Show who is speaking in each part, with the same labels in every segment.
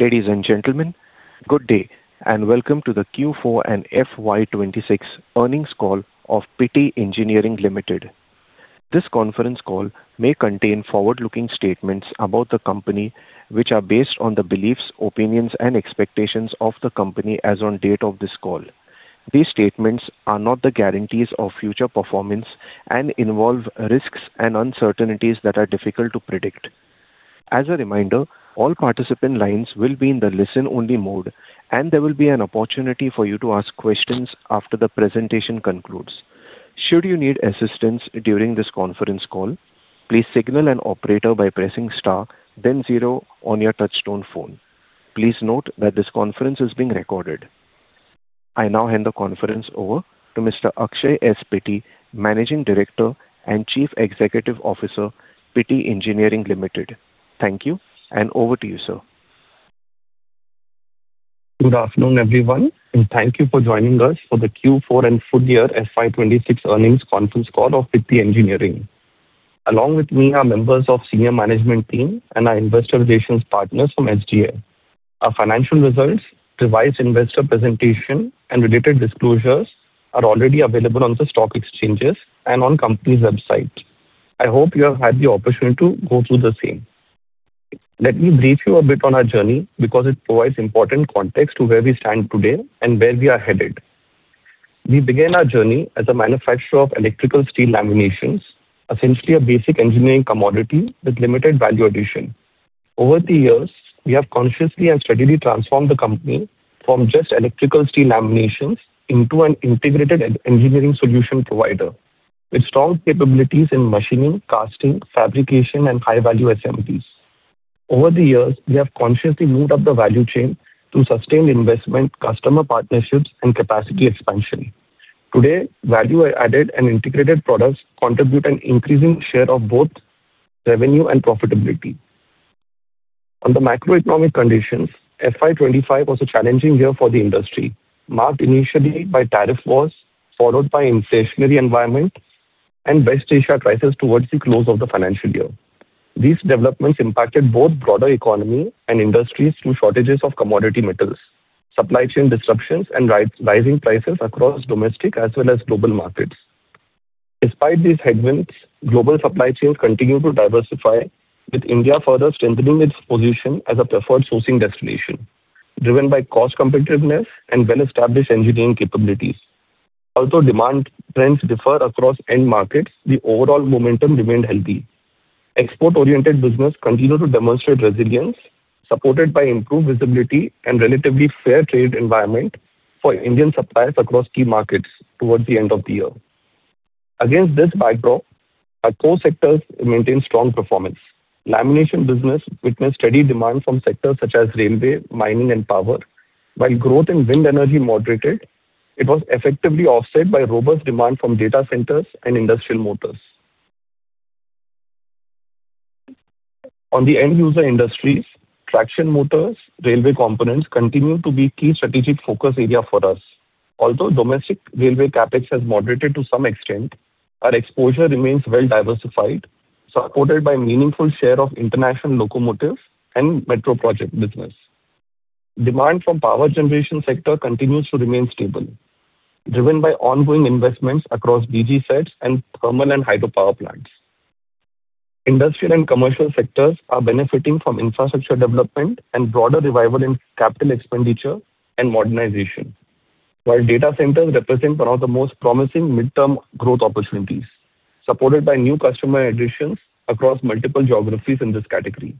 Speaker 1: Ladies and gentlemen, good day, and welcome to the Q4 and FY 2026 earnings call of Pitti Engineering Limited. This conference call may contain forward-looking statements about the company, which are based on the beliefs, opinions, and expectations of the company as on date of this call. These statements are not the guarantees of future performance and involve risks and uncertainties that are difficult to predict. As a reminder, all participant lines will be in the listen-only mode, and there will be an opportunity for you to ask questions after the presentation concludes. Should you need assistance during this conference call, please signal an operator by pressing star then zero on your touch-tone phone. Please note that this conference is being recorded. I now hand the conference over to Mr. Akshay S. Pitti, Managing Director and Chief Executive Officer, Pitti Engineering Limited. Thank you, and over to you, sir.
Speaker 2: Good afternoon, everyone, and thank you for joining us for the Q4 and full year FY 2026 earnings conference call of Pitti Engineering. Along with me are members of senior management team and our investor relations partners from SGA. Our financial results, revised investor presentation, and related disclosures are already available on the stock exchanges and on company's website. I hope you have had the opportunity to go through the same. Let me brief you a bit on our journey because it provides important context to where we stand today and where we are headed. We began our journey as a manufacturer of electrical steel laminations, essentially a basic engineering commodity with limited value addition. Over the years, we have consciously and steadily transformed the company from just electrical steel laminations into an integrated engineering solution provider with strong capabilities in machining, casting, fabrication, and high-value assemblies. Over the years, we have consciously moved up the value chain through sustained investment, customer partnerships, and capacity expansion. Today, value added and integrated products contribute an increasing share of both revenue and profitability. On the macroeconomic conditions, FY 2025 was a challenging year for the industry, marked initially by tariff wars, followed by inflationary environment and West Asia crisis towards the close of the financial year. These developments impacted both broader economy and industries through shortages of commodity metals, supply chain disruptions, and rising prices across domestic as well as global markets. Despite these headwinds, global supply chains continue to diversify, with India further strengthening its position as a preferred sourcing destination, driven by cost competitiveness and well-established engineering capabilities. Although demand trends differ across end markets, the overall momentum remained healthy. Export-oriented business continued to demonstrate resilience, supported by improved visibility and relatively fair trade environment for Indian suppliers across key markets towards the end of the year. Against this backdrop, our core sectors maintained strong performance. Lamination business witnessed steady demand from sectors such as railway, mining, and power. While growth in wind energy moderated, it was effectively offset by robust demand from data centers and industrial motors. On the end-user industries, traction motors, railway components continue to be key strategic focus area for us. Although domestic railway CapEx has moderated to some extent, our exposure remains well-diversified, supported by meaningful share of international locomotive and metro project business. Demand from power generation sector continues to remain stable, driven by ongoing investments across DG sets and thermal and hydropower plants. Industrial and commercial sectors are benefiting from infrastructure development and broader revival in capital expenditure and modernization. While data centers represent one of the most promising midterm growth opportunities, supported by new customer additions across multiple geographies in this category.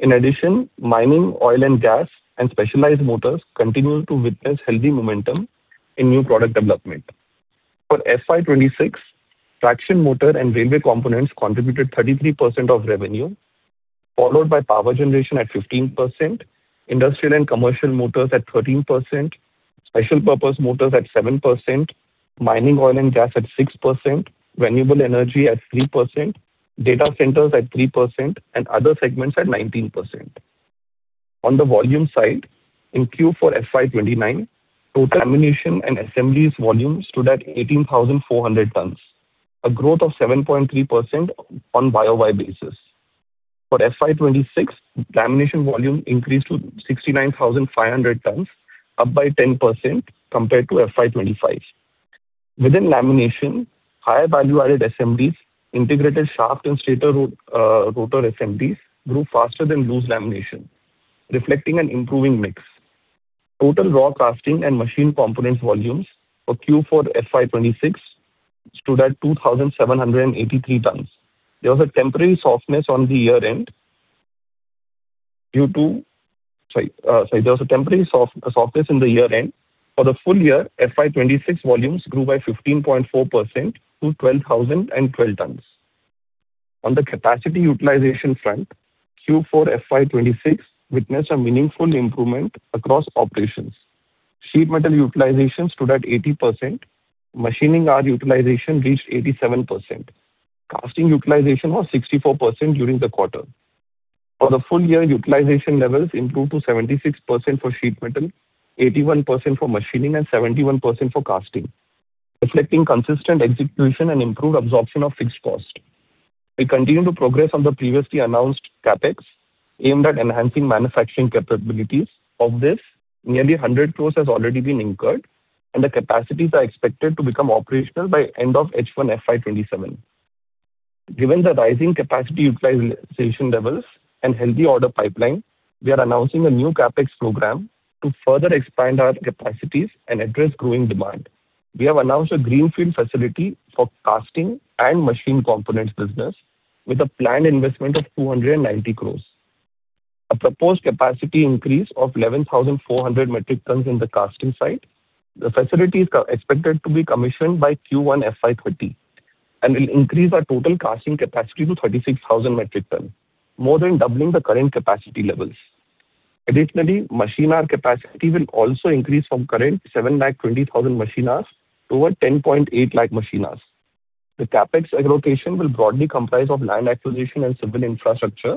Speaker 2: In addition, mining, oil and gas, and specialized motors continue to witness healthy momentum in new product development. For FY 2026, traction motor and railway components contributed 33% of revenue, followed by power generation at 15%, industrial and commercial motors at 13%, special purpose motors at 7%, mining oil and gas at 6%, renewable energy at 3%, data centers at 3%, and other segments at 19%. On the volume side, in Q4 FY 2029, total lamination and assemblies volumes stood at 18,400 tonnes, a growth of 7.3% on YoY basis. For FY 2026, lamination volume increased to 69,500 tonnes, up by 10% compared to FY 2025. Within Lamination, higher value-added assemblies integrated shaft and stator rotor assemblies grew faster than loose lamination, reflecting an improving mix. Total raw casting and machine components volumes for Q4 FY 2026 stood at 2,783 tonnes. There was a temporary softness in the year-end. For the full year, FY 2026 volumes grew by 15.4% to 12,012 tonnes. On the capacity utilization front, Q4 FY 2026 witnessed a meaningful improvement across operations. Sheet metal utilization stood at 80%. Machining hour utilization reached 87%. Casting utilization was 64% during the quarter. For the full year, utilization levels improved to 76% for sheet metal, 81% for machining, and 71% for casting, reflecting consistent execution and improved absorption of fixed cost. We continue to progress on the previously announced CapEx aimed at enhancing manufacturing capabilities. Of this, nearly 100 crores has already been incurred, and the capacities are expected to become operational by end of H1 FY 2027. Given the rising capacity utilization levels and healthy order pipeline, we are announcing a new CapEx program to further expand our capacities and address growing demand. We have announced a greenfield facility for Casting and Machine Components business with a planned investment of 290 crores. A proposed capacity increase of 11,400 metric tons in the casting side. The facility is expected to be commissioned by Q1 FY 2030 and will increase our total casting capacity to 36,000 metric ton, more than doubling the current capacity levels. Additionally, machine hour capacity will also increase from current 7.20 lakh machine hours to over 10.8 lakh machine hours. The CapEx allocation will broadly comprise of land acquisition and civil infrastructure,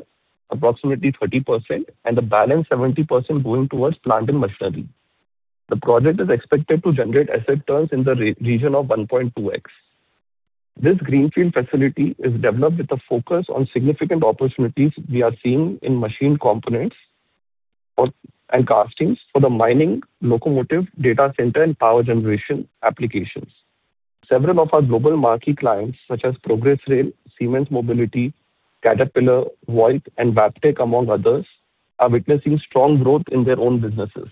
Speaker 2: approximately 30%, and the balance 70% going towards plant and machinery. The project is expected to generate asset turns in the region of 1.2x. This greenfield facility is developed with a focus on significant opportunities we are seeing in machine components and castings for the mining, locomotive, data center, and power generation applications. Several of our global marquee clients, such as Progress Rail, Siemens Mobility, Caterpillar, Voith, and Wabtec, among others, are witnessing strong growth in their own businesses.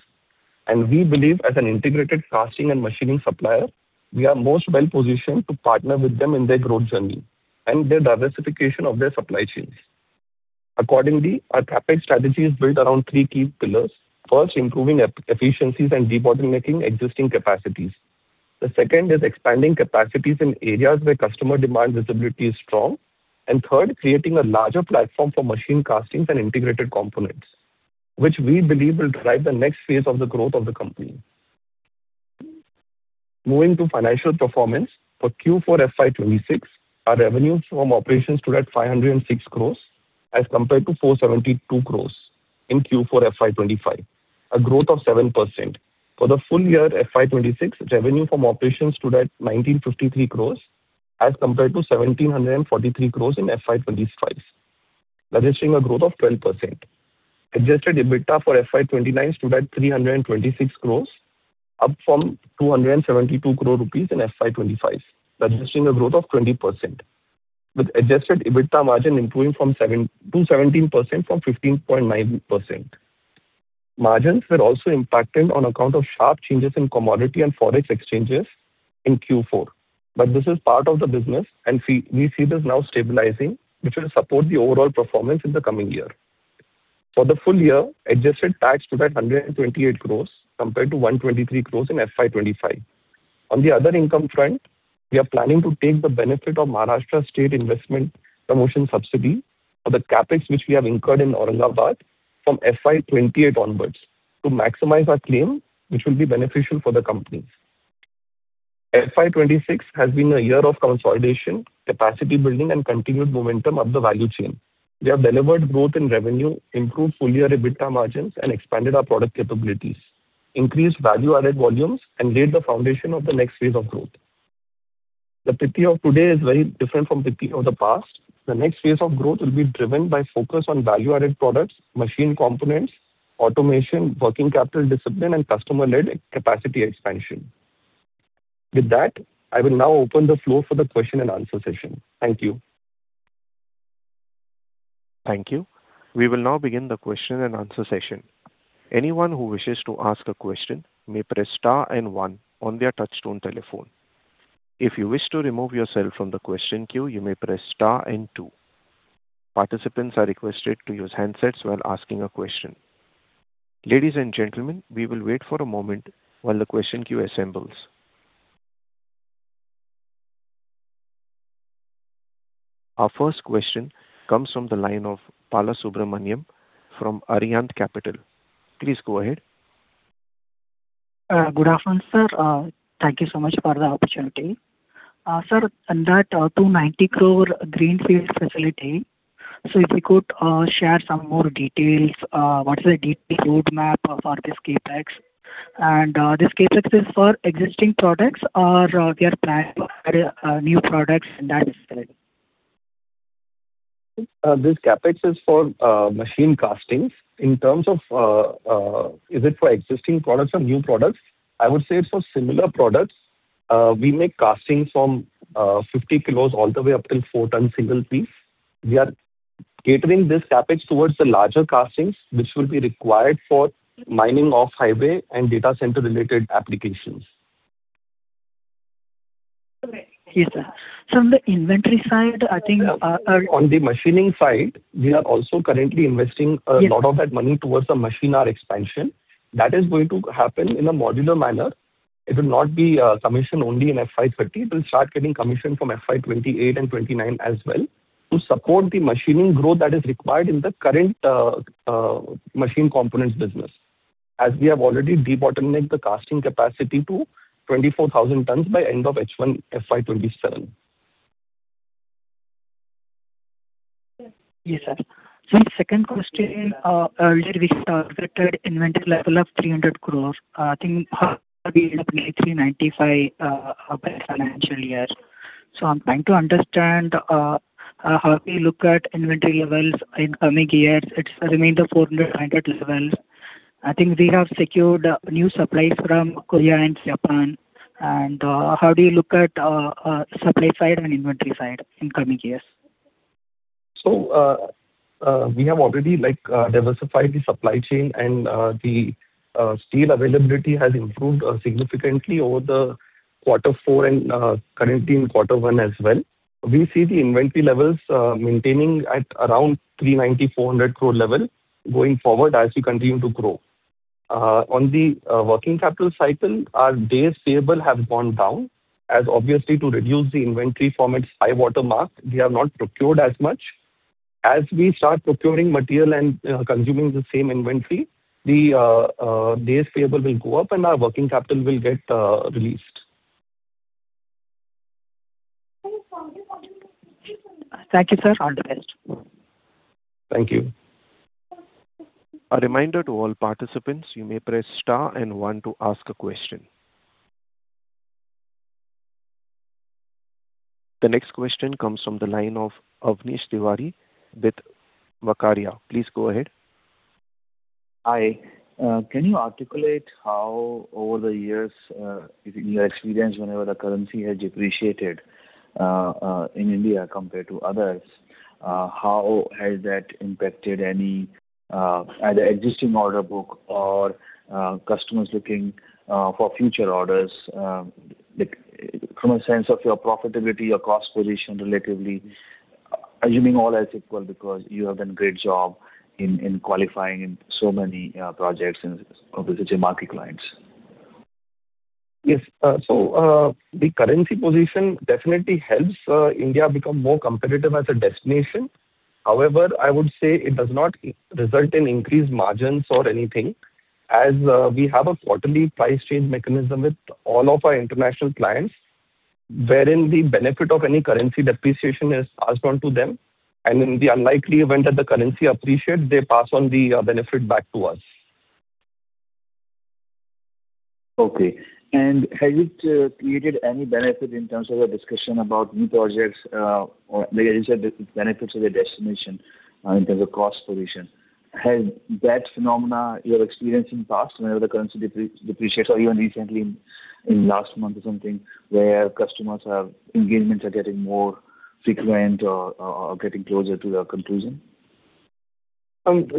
Speaker 2: We believe as an integrated casting and machining supplier, we are most well-positioned to partner with them in their growth journey and their diversification of their supply chains. Accordingly, our CapEx strategy is built around three key pillars. First, improving efficiencies and debottlenecking existing capacities. The second is expanding capacities in areas where customer demand visibility is strong. Third, creating a larger platform for machine castings and integrated components, which we believe will drive the next phase of the growth of the company. Moving to financial performance. For Q4 FY 2026, our revenues from operations stood at 506 crores as compared to 472 crores in Q4 FY 2025, a growth of 7%. For the full year FY 2026, revenue from operations stood at 1,953 crores as compared to 1,743 crores in FY 2025, registering a growth of 12%. Adjusted EBITDA for FY 2029 stood at 326 crores, up from 272 crore rupees in FY 2025, registering a growth of 20%, with adjusted EBITDA margin improving to 17% from 15.9%. Margins were also impacted on account of sharp changes in commodity and forex exchanges in Q4. This is part of the business, and we see this now stabilizing, which will support the overall performance in the coming year. For the full year, adjusted tax stood at 128 crores compared to 123 crores in FY 2025. On the other income front, we are planning to take the benefit of Maharashtra Industrial Promotion Subsidy for the CapEx which we have incurred in Aurangabad from FY 2028 onwards to maximize our claim, which will be beneficial for the company. FY 2026 has been a year of consolidation, capacity building, and continued momentum up the value chain. We have delivered growth in revenue, improved full year EBITDA margins, and expanded our product capabilities, increased value-added volumes, and laid the foundation of the next phase of growth. The Pitti of today is very different from Pitti of the past. The next phase of growth will be driven by focus on value-added products, machine components, automation, working capital discipline, and customer-led capacity expansion. With that, I will now open the floor for the question-and-answer session. Thank you.
Speaker 1: Thank you. We will now begin the question-and-answer session. Our first question comes from the line of Balasubramanian from Arihant Capital. Please go ahead.
Speaker 3: Good afternoon, sir. Thank you so much for the opportunity. Sir, on that 290 crore greenfield facility, so if you could share some more details, what is the detailed roadmap for this CapEx? This CapEx is for existing products or you are planning to add new products in that facility?
Speaker 2: This CapEx is for machine castings. In terms of, is it for existing products or new products, I would say it's for similar products. We make castings from 50 kg all the way up till 4 tonne single piece. We are catering this CapEx towards the larger castings which will be required for mining, off-highway, and data center-related applications.
Speaker 3: Okay. Yes, sir. From the inventory side, I think—
Speaker 2: On the machining side, we are also currently investing.
Speaker 3: Yes.
Speaker 2: —a lot of that money towards the machine hour expansion. That is going to happen in a modular manner. It will not be commissioned only in FY 2030. It will start getting commissioned from FY 2028 and 2029 as well to support the machining growth that is required in the current Machine Components business, as we have already debottlenecked the casting capacity to 24,000 tonnes by end of H1 FY 2027.
Speaker 3: Yes, sir. The second question, earlier we saw corrected inventory level of 300 crores. I think we ended up with 395 by financial year. I'm trying to understand how we look at inventory levels in coming years. It remains the 400 levels. I think we have secured new supplies from Korea and Japan. How do you look at supply side and inventory side in coming years?
Speaker 2: We have already diversified the supply chain and the steel availability has improved significantly over the quarter four and currently in quarter one as well. We see the inventory levels maintaining at around 394 net crore level going forward as we continue to grow. On the working capital cycle, our days payable have gone down as obviously to reduce the inventory from its high water mark, we have not procured as much. As we start procuring material and consuming the same inventory, the days payable will go up and our working capital will get released.
Speaker 3: Thank you, sir. All the best.
Speaker 2: Thank you.
Speaker 1: A reminder to all participants, you may press star and one to ask a question. The next question comes from the line of Avnish Tiwari with Vaikarya. Please go ahead.
Speaker 4: Hi. Can you articulate how over the years, in your experience whenever the currency has depreciated, in India compared to others, how has that impacted any, either existing order book or customers looking for future orders, like from a sense of your profitability or cost position relatively, assuming all else equal because you have done a great job in qualifying in so many projects and with such market clients?
Speaker 2: Yes. The currency position definitely helps India become more competitive as a destination. However, I would say it does not result in increased margins or anything as we have a quarterly price change mechanism with all of our international clients, wherein the benefit of any currency depreciation is passed on to them. In the unlikely event that the currency appreciates, they pass on the benefit back to us.
Speaker 4: Okay. Has it created any benefit in terms of the discussion about new projects, or like I said, the benefits of the destination, in terms of cost position? Has that phenomena you have experienced in past whenever the currency depreciates or even recently in last month or something, where customers have engagements are getting more frequent or getting closer to the conclusion?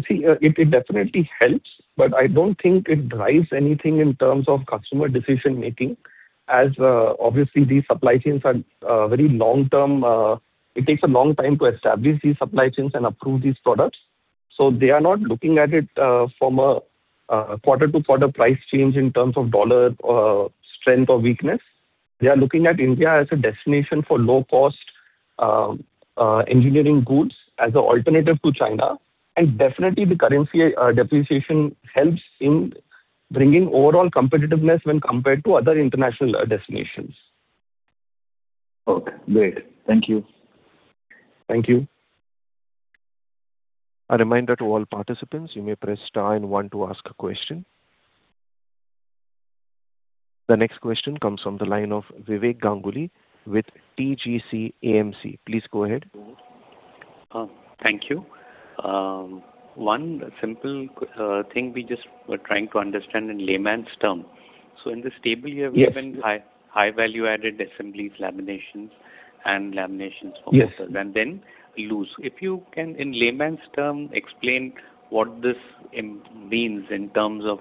Speaker 2: See, it definitely helps, but I don't think it drives anything in terms of customer decision-making as, obviously these supply chains are very long-term. It takes a long time to establish these supply chains and approve these products. They are not looking at it, from a quarter-to-quarter price change in terms of U.S. dollar strength or weakness. They are looking at India as a destination for low cost engineering goods as an alternative to China. Definitely the currency depreciation helps in bringing overall competitiveness when compared to other international destinations.
Speaker 4: Okay, great. Thank you.
Speaker 1: Thank you. A reminder to all participants, you may press star and one to ask a question. The next question comes from the line of Vivek Ganguly with TCG AMC. Please go ahead.
Speaker 5: Thank you. One simple thing we just were trying to understand in layman's term. In this table you have—
Speaker 2: Yes.
Speaker 5: —written high, high value-added assemblies, laminations and laminations for motors—
Speaker 2: Yes.
Speaker 5: —and then loose. If you can, in layman's terms, explain what this means in terms of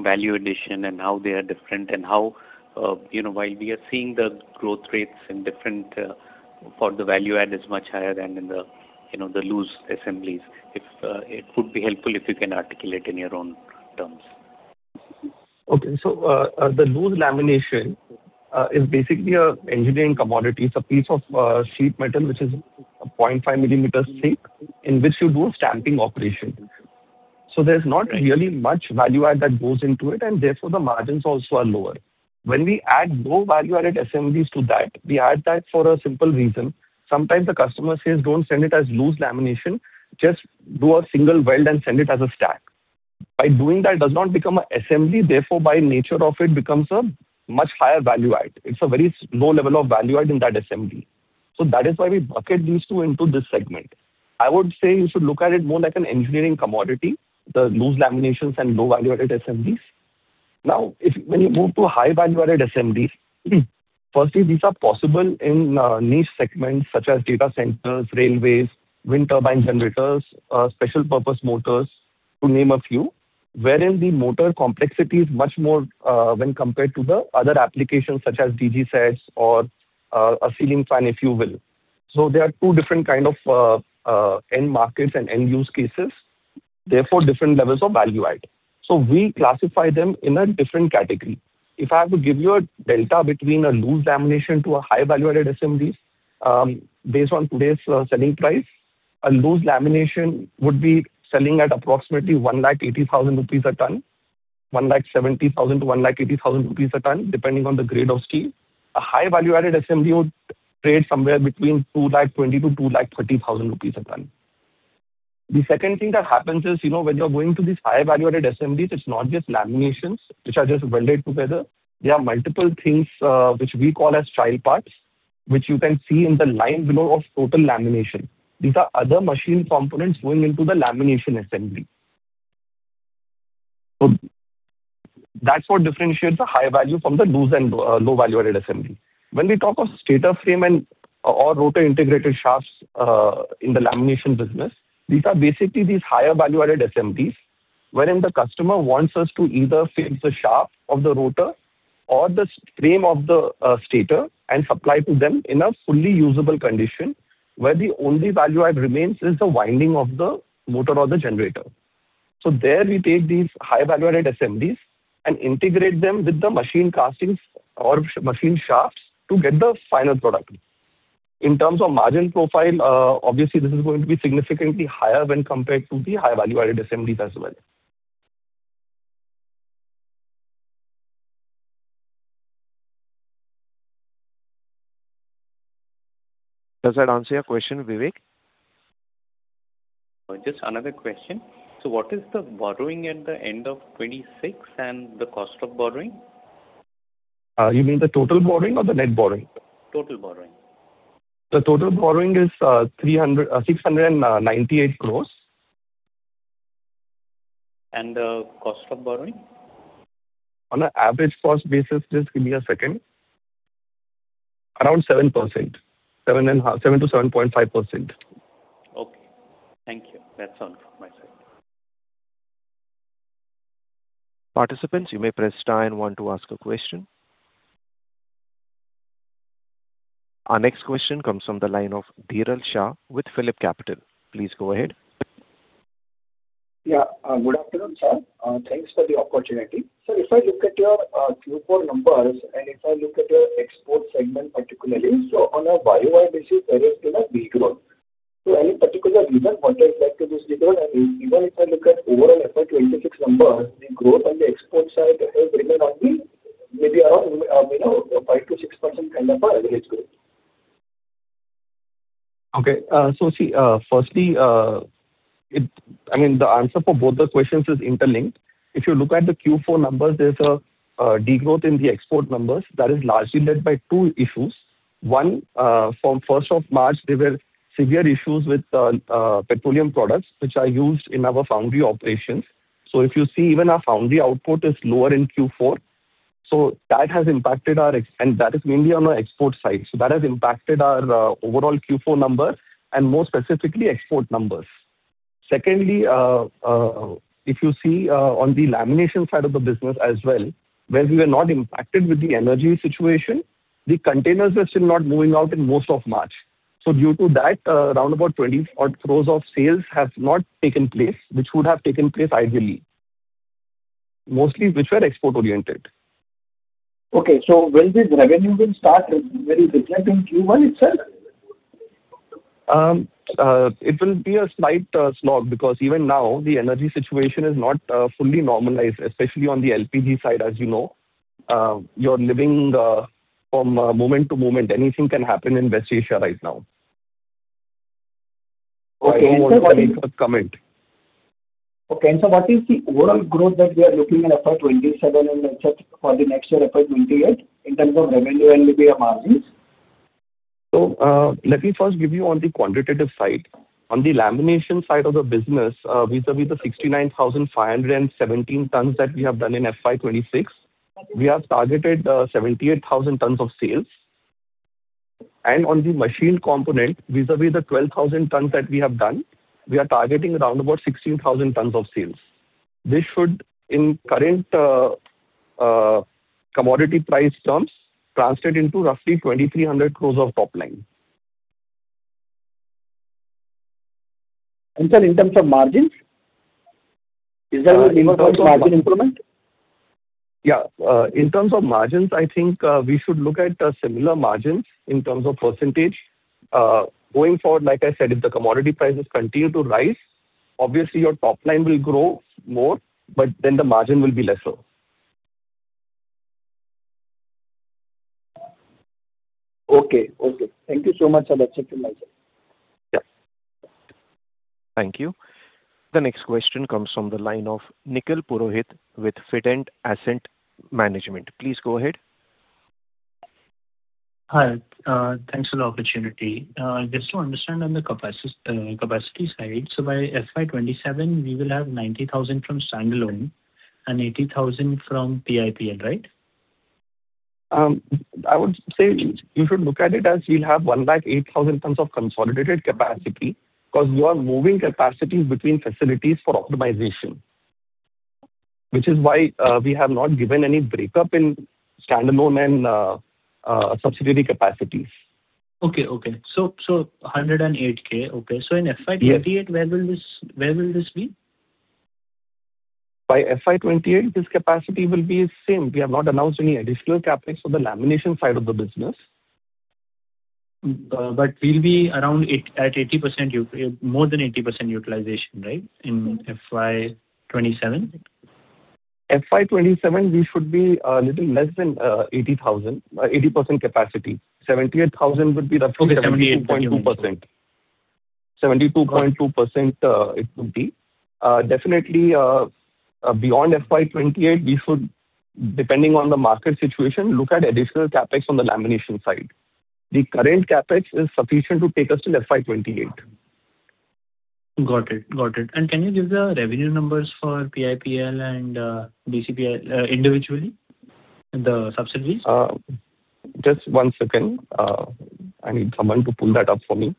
Speaker 5: value addition and how they are different and how, you know, while we are seeing the growth rates in different, for the value add is much higher than in the, you know, the loose assemblies. If it would be helpful if you can articulate in your own terms.
Speaker 2: The loose lamination is basically an engineering commodity. It's a piece of sheet metal which is 0.5 mm thick, in which you do stamping operation. There's not really much value add that goes into it, and therefore the margins also are lower. When we add low value-added assemblies to that, we add that for a simple reason. Sometimes the customer says, "Don't send it as loose lamination, just do a single weld and send it as a stack." By doing that does not become an assembly, therefore by nature of it becomes a much higher value add. It's a very low level of value add in that assembly. That is why we bucket these two into this segment. I would say you should look at it more like an engineering commodity, the loose laminations and low value-added assemblies. When you move to high value-added assemblies, firstly these are possible in niche segments such as data centers, railways, wind turbine generators, special purpose motors to name a few. Wherein the motor complexity is much more when compared to the other applications such as DG sets or a ceiling fan, if you will. There are two different kind of end markets and end use cases, therefore different levels of value add. We classify them in a different category. If I have to give you a delta between a loose lamination to a high value-added assemblies, based on today's selling price, a loose lamination would be selling at approximately 180,000 rupees a tonne. 170,000-180,000 rupees a tonne, depending on the grade of steel. A high value-added assembly would trade somewhere between 220,000 to 230,000 rupees a ton. The second thing that happens is, you know, when you're going to these high value-added assemblies, it's not just laminations which are just welded together. There are multiple things, which we call as child parts, which you can see in the line below of total lamination. These are other machine components going into the lamination assembly. That's what differentiates the high value from the loose and low value-added assembly. When we talk of stator frame and, or rotor integrated shafts, in the Lamination business, these are basically these higher value-added assemblies wherein the customer wants us to either fix the shaft of the rotor or the frame of the stator and supply to them in a fully usable condition where the only value add remains is the winding of the motor or the generator. There we take these high value-added assemblies and integrate them with the machine castings or machine shafts to get the final product. In terms of margin profile, obviously this is going to be significantly higher when compared to the high value-added assemblies as well. Does that answer your question, Vivek?
Speaker 5: Just another question. What is the borrowing at the end of 2026 and the cost of borrowing?
Speaker 2: You mean the total borrowing or the net borrowing?
Speaker 5: Total borrowing.
Speaker 2: The total borrowing is 698 crores.
Speaker 5: The cost of borrowing?
Speaker 2: On an average cost basis, just give me a second. Around 7%. 7%-7.5%.
Speaker 5: Okay. Thank you. That is all from my side.
Speaker 1: Participants, you may press star and one to ask a question. Our next question comes from the line of Dhiral Shah with Phillip Capital. Please go ahead.
Speaker 6: Good afternoon, sir. Thanks for the opportunity. If I look at your Q4 numbers, and if I look at your export segment particularly, on a YoY basis there is, you know, degrowth. Any particular reason what has led to this degrowth? Even if I look at overall FY 2026 numbers, the growth on the export side has remained only maybe around, you know, 5%-6% kind of a average growth.
Speaker 2: Okay. I mean, the answer for both the questions is interlinked. If you look at the Q4 numbers, there's a degrowth in the export numbers that is largely led by two issues. One, from 1st of March, there were severe issues with petroleum products which are used in our foundry operations. If you see even our foundry output is lower in Q4, that has impacted our export side. That has impacted our overall Q4 numbers and more specifically export numbers. Secondly, if you see on the lamination side of the business as well, where we were not impacted with the energy situation, the containers were still not moving out in most of March. Due to that, around about 20-odd crores of sales has not taken place, which would have taken place ideally. Mostly which were export-oriented.
Speaker 6: Okay. When this revenue will start, very quickly in Q1 itself?
Speaker 2: It will be a slight slog because even now the energy situation is not fully normalized, especially on the LPG side, as you know. You're living from moment to moment. Anything can happen in West Asia right now.
Speaker 6: Okay.
Speaker 2: I won't want to comment.
Speaker 6: Okay. What is the overall growth that we are looking in FY 2027 for the next year, FY 2028, in terms of revenue and maybe margins?
Speaker 2: Let me first give you on the quantitative side. On the lamination side of the business, vis-à-vis the 69,517 tonnes that we have done in FY 2026, we have targeted 78,000 tonnes of sales. And on the machine component, vis-à-vis the 12,000 tonnes that we have done, we are targeting around about 16,000 tonnes of sales. This should, in current commodity price terms, translate into roughly 2,300 crores of top line.
Speaker 6: Sir, in terms of margins, is there any improvement?
Speaker 2: Yeah. In terms of margins, I think we should look at similar margins in terms of percentage. Going forward, like I said, if the commodity prices continue to rise, obviously your top line will grow more, but then the margin will be lesser.
Speaker 6: Okay. Okay. Thank you so much, sir. That's it from my side.
Speaker 2: Yeah.
Speaker 1: Thank you. The next question comes from the line of Nikhil Purohit with Fident Asset Management. Please go ahead.
Speaker 7: Hi. Thanks for the opportunity. Just to understand on the capacity side, by FY 2027 we will have 90,000 tonnes from standalone and 80,000 tonnes from PIPN, right?
Speaker 2: I would say you should look at it as we'll have 108,000 tonnes of consolidated capacity, 'cause we are moving capacities between facilities for optimization, which is why we have not given any breakup in standalone and subsidiary capacities.
Speaker 7: Okay. Okay. 108,000 tonnes. Okay. in FY 2028—
Speaker 2: Yes.
Speaker 7: —where will this be?
Speaker 2: By FY 2028, this capacity will be same. We have not announced any additional CapEx for the lamination side of the business.
Speaker 7: We'll be more than 80% utilization, right, in FY 2027?
Speaker 2: FY 2027 we should be a little less than 80,000 tonnes, 80% capacity.
Speaker 7: Okay. 78.2%—
Speaker 2: 72.2%, it would be. Definitely, beyond FY 2028, we should, depending on the market situation, look at additional CapEx on the lamination side. The current CapEx is sufficient to take us till FY 2028.
Speaker 7: Got it. Got it. Can you give the revenue numbers for PIPL and BCIPL, individually, the subsidiaries?
Speaker 2: Just one second. I need someone to pull that up for me.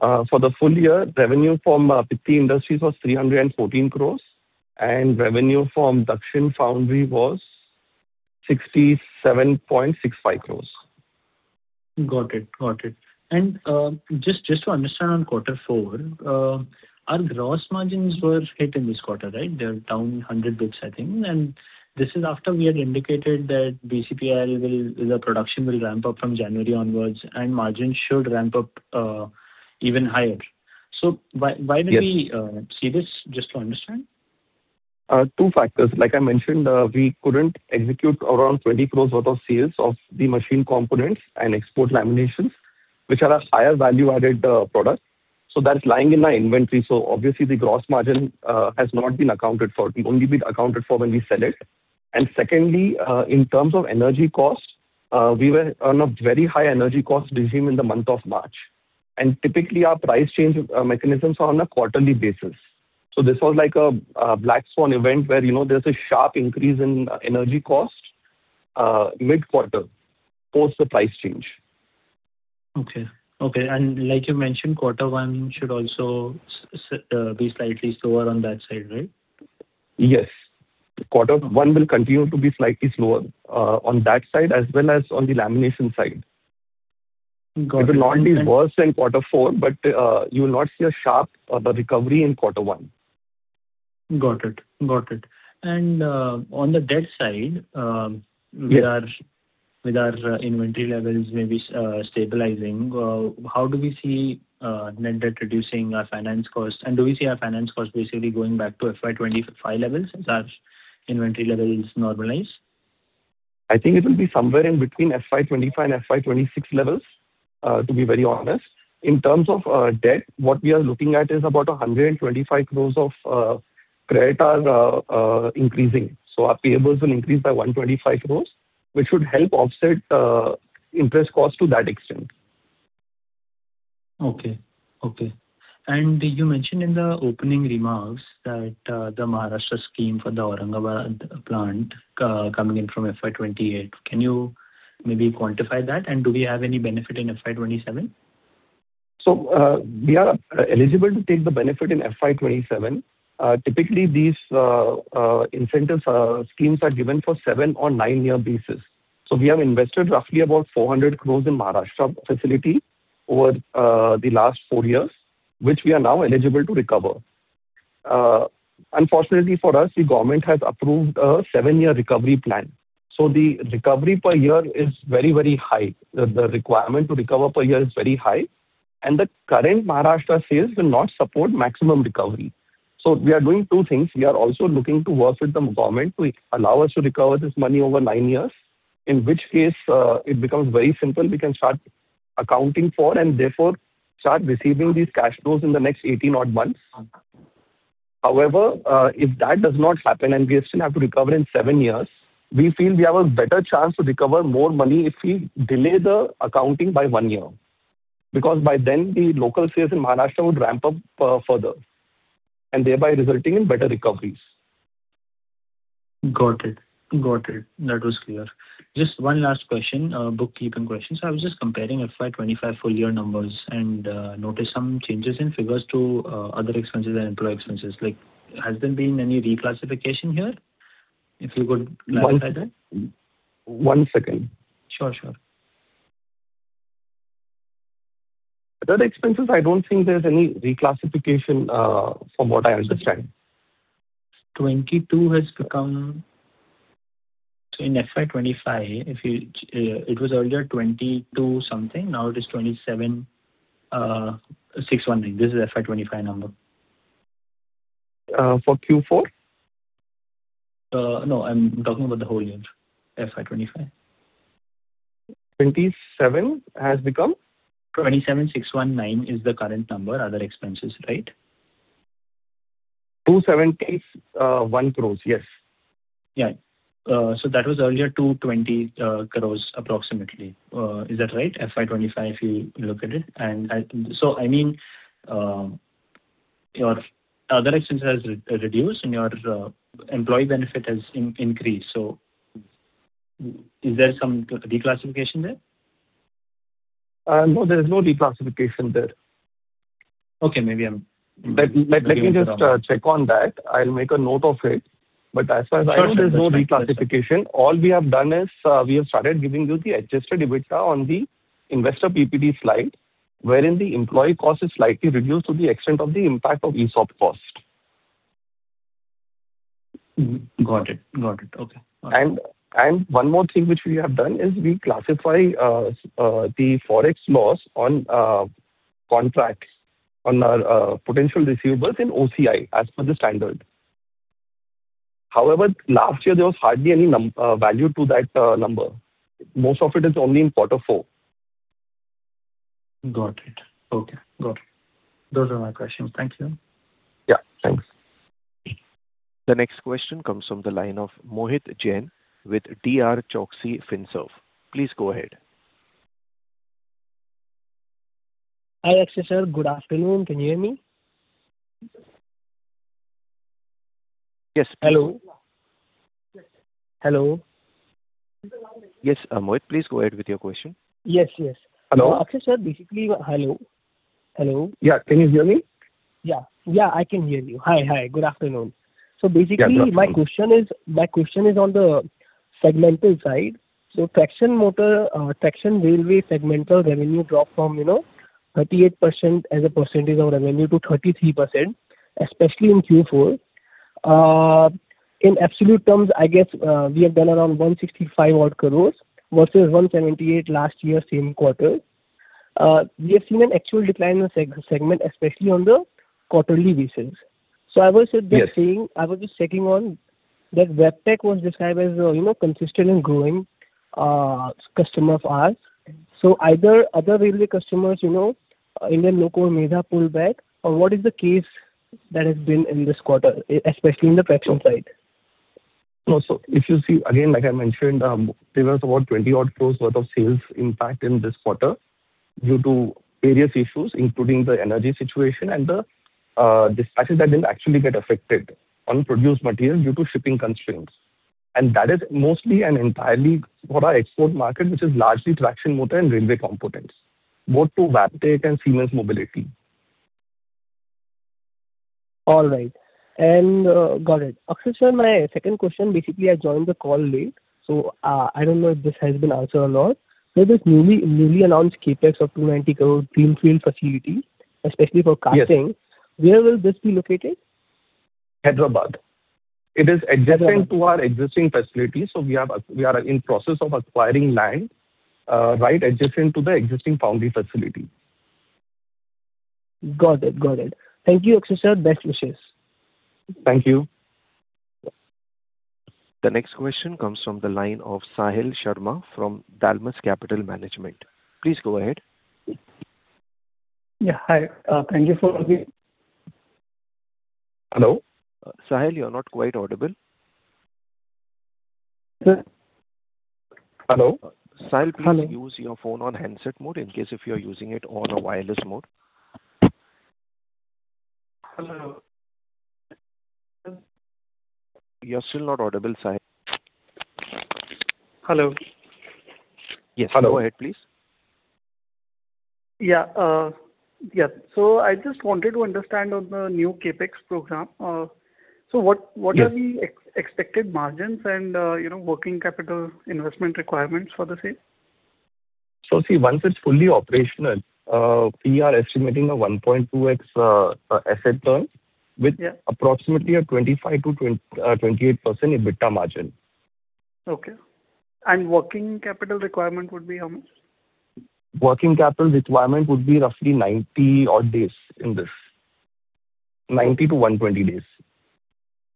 Speaker 2: For the full year, revenue from Pitti Engineering was 314 crores, and revenue from Dakshin Foundry was 67.65 crores.
Speaker 7: Got it. Got it. Just to understand on quarter four, our gross margins were hit in this quarter, right? They're down 100 basis points, I think. This is after we had indicated that BCIPL will, the production will ramp up from January onwards and margins should ramp up, even higher. Why did we—
Speaker 2: Yes.
Speaker 7: —see this? Just to understand.
Speaker 2: Two factors. Like I mentioned, we couldn't execute around 20 crore worth of sales of the machine components and export laminations, which are our higher value-added product. That's lying in our inventory. Obviously the gross margin has not been accounted for. It'll only be accounted for when we sell it. Secondly, in terms of energy costs, we were on a very high energy cost regime in the month of March, and typically our price change mechanisms are on a quarterly basis. This was like a black swan event where, you know, there's a sharp increase in energy cost mid-quarter post the price change.
Speaker 7: Okay. Okay. Like you mentioned, quarter one should also be slightly slower on that side, right?
Speaker 2: Yes. Quarter one will continue to be slightly slower on that side as well as on the lamination side.
Speaker 7: Got it.
Speaker 2: It will not be worse than quarter four, but you will not see a sharp recovery in quarter one.
Speaker 7: Got it. On the debt side—
Speaker 2: Yes.
Speaker 7: —with our inventory levels maybe stabilizing, how do we see net debt reducing our finance costs? Do we see our finance costs basically going back to FY 2025 levels since our inventory level is normalized?
Speaker 2: I think it will be somewhere in between FY 2025 and FY 2026 levels, to be very honest. In terms of debt, what we are looking at is about 125 crores of credit increasing. Our payables will increase by 125 crores, which should help offset interest costs to that extent.
Speaker 7: Okay. Okay. You mentioned in the opening remarks that, the Maharashtra scheme for the Aurangabad plant, coming in from FY 2028, can you maybe quantify that? Do we have any benefit in FY 2027?
Speaker 2: We are eligible to take the benefit in FY 2027. Typically these incentive schemes are given for seven or nine-year basis. We have invested roughly about 400 crore in Maharashtra facility over the last four years, which we are now eligible to recover. Unfortunately for us, the government has approved a seven-year recovery plan. The recovery per year is very high. The requirement to recover per year is very high, and the current Maharashtra sales will not support maximum recovery. We are doing two things. We are also looking to work with the government to allow us to recover this money over nine years, in which case, it becomes very simple. We can start accounting for and therefore start receiving these cash flows in the next 18-odd months. However, if that does not happen and we still have to recover in seven years, we feel we have a better chance to recover more money if we delay the accounting by one year, because by then the local sales in Maharashtra would ramp up further and thereby resulting in better recoveries.
Speaker 7: Got it. That was clear. Just one last question. Bookkeeping question. I was just comparing FY 2025 full year numbers and noticed some changes in figures to other expenses and employee expenses. Has there been any reclassification here? If you could clarify that.
Speaker 2: One second.
Speaker 7: Sure. Sure.
Speaker 2: Other expenses, I don't think there's any reclassification, from what I understand.
Speaker 7: 22 has become. In FY 2025, if you, it was earlier 22-something, now it is 27,619. This is FY 2025 number.
Speaker 2: For Q4?
Speaker 7: No, I'm talking about the whole year, FY 2025.
Speaker 2: 2027 has become?
Speaker 7: 27,619 is the current number, other expenses, right?
Speaker 2: 271 crores. Yes.
Speaker 7: Yeah. That was earlier 220 crores approximately. Is that right? FY 2025, if you look at it. I mean, your other expenses has reduced and your employee benefit has increased. Is there some reclassification there?
Speaker 2: No, there is no reclassification there.
Speaker 7: Okay. Maybe.
Speaker 2: Let me just check on that. I'll make a note of it, but as far as I know there's no reclassification. All we have done is, we have started giving you the adjusted EBITDA on the investor PPT slide, wherein the employee cost is slightly reduced to the extent of the impact of ESOP cost.
Speaker 7: Mm-hmm. Got it. Got it. Okay. Got it.
Speaker 2: One more thing which we have done is we classify the forex loss on contracts on our potential receivables in OCI as per the standard. However, last year there was hardly any value to that number. Most of it is only in quarter four.
Speaker 7: Got it. Okay. Got it. Those are my questions. Thank you.
Speaker 2: Yeah. Thanks.
Speaker 1: The next question comes from the line of Mohit Jain with DRChoksey Finserv. Please go ahead.
Speaker 8: Hi, Akshay, sir. Good afternoon. Can you hear me?
Speaker 2: Yes.
Speaker 8: Hello? Hello?
Speaker 1: Yes, Mohit, please go ahead with your question.
Speaker 8: Yes. Yes.
Speaker 2: Hello?
Speaker 8: Akshay, sir, basically Hello? Hello?
Speaker 2: Yeah. Can you hear me?
Speaker 8: Yeah. Yeah, I can hear you. Hi. Hi. Good afternoon.
Speaker 2: Yeah. Good afternoon.
Speaker 8: Basically my question is on the segmental side. Traction motor, traction railway segmental revenue dropped from, you know, 38% as a percentage of revenue to 33%, especially in Q4. In absolute terms, I guess, we have done around 165-odd crores versus 178 last year same quarter. We have seen an actual decline in the segment, especially on the quarterly basis.
Speaker 2: Yes.
Speaker 8: I was just checking on that Wabtec was described as a, you know, consistent and growing customer of ours. Either other railway customers, you know, in the loco made a pullback or what is the case that has been in this quarter, especially in the traction side?
Speaker 2: No. If you see again, like I mentioned, there was about 20-odd crores worth of sales impact in this quarter due to various issues, including the energy situation and the dispatches that didn't actually get affected on produced material due to shipping constraints. That is mostly and entirely for our export market, which is largely traction motor and railway components, both to Wabtec and Siemens Mobility.
Speaker 8: All right. Got it. Akshay, sir, my second question, basically I joined the call late, I don't know if this has been answered or not. With this newly announced CapEx of 200 crore greenfield facility, especially for casting—
Speaker 2: Yes.
Speaker 8: —where will this be located?
Speaker 2: Hyderabad. It is—
Speaker 8: Hyderabad.
Speaker 2: —to our existing facility. We are in process of acquiring land right adjacent to the existing foundry facility.
Speaker 8: Got it. Got it. Thank you, Akshay, sir. Best wishes.
Speaker 2: Thank you.
Speaker 1: The next question comes from the line of Sahil Sharma from Dalmus Capital Management. Please go ahead.
Speaker 9: Yeah. Hi. Thank you for giving—
Speaker 2: Hello?
Speaker 1: Sahil, you're not quite audible.
Speaker 9: Sir.
Speaker 2: Hello?
Speaker 1: Sahil—
Speaker 9: Hello.
Speaker 1: —please use your phone on handset mode in case if you're using it on a wireless mode.
Speaker 9: Hello?
Speaker 1: You're still not audible, Sahil.
Speaker 9: Hello.
Speaker 1: Yes.
Speaker 2: Hello.
Speaker 1: Go ahead, please.
Speaker 9: I just wanted to understand on the new CapEx program. What are the expected margins and, you know, working capital investment requirements for the same?
Speaker 2: So see, once it's fully operational, we are estimating a 1.2x asset turn—
Speaker 9: Yeah.
Speaker 2: —approximately a 25%-28% EBITDA margin.
Speaker 9: Okay. Working capital requirement would be how much?
Speaker 2: Working capital requirement would be roughly 90 odd days in this. 90 to 120 days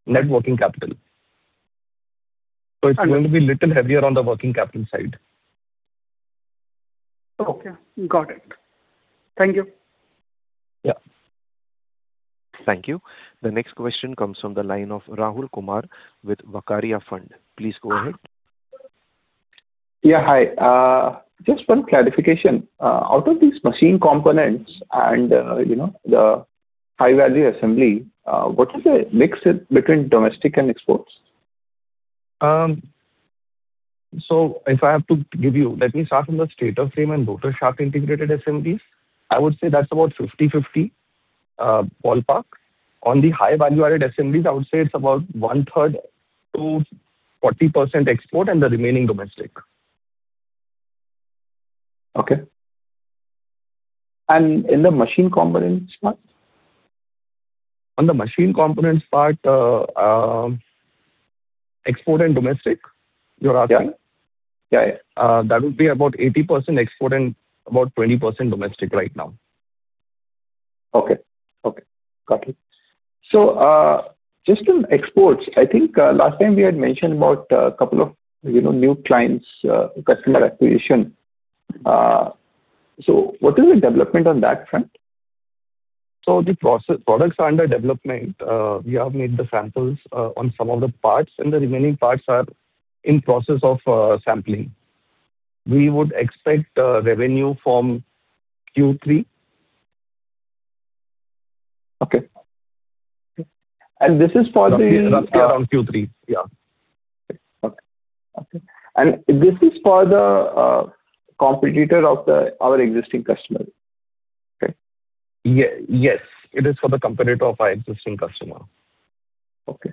Speaker 2: net working capital. So it's going to be little heavier on the working capital side.
Speaker 9: Okay. Got it. Thank you.
Speaker 2: Yeah.
Speaker 1: Thank you. The next question comes from the line of Rahul Kumar with Vaikarya Fund. Please go ahead.
Speaker 10: Hi. Just one clarification. Out of these machine components and, you know, the high-value assembly, what is the mix between domestic and exports?
Speaker 2: If I have to give you, let me start from the stator frame and rotor shaft integrated assemblies. I would say that's about 50/50 ballpark. On the high value-added assemblies, I would say it's about 1/3 to 40% export and the remaining domestic.
Speaker 10: In the machine components part?
Speaker 2: On the machine components part, export and domestic you're asking?
Speaker 10: Yeah. Yeah, yeah.
Speaker 2: That would be about 80% export and about 20% domestic right now.
Speaker 10: Okay. Okay. Got it. Just on exports, I think, last time we had mentioned about a couple of, you know, new clients, customer acquisition. What is the development on that front?
Speaker 2: The products are under development. We have made the samples on some of the parts, and the remaining parts are in process of sampling. We would expect revenue from Q3.
Speaker 10: Okay. This is for the—
Speaker 2: Roughly around Q3. Yeah.
Speaker 10: Okay. Okay. This is for the competitor of the our existing customer, correct?
Speaker 2: Yes, it is for the competitor of our existing customer.
Speaker 10: Okay.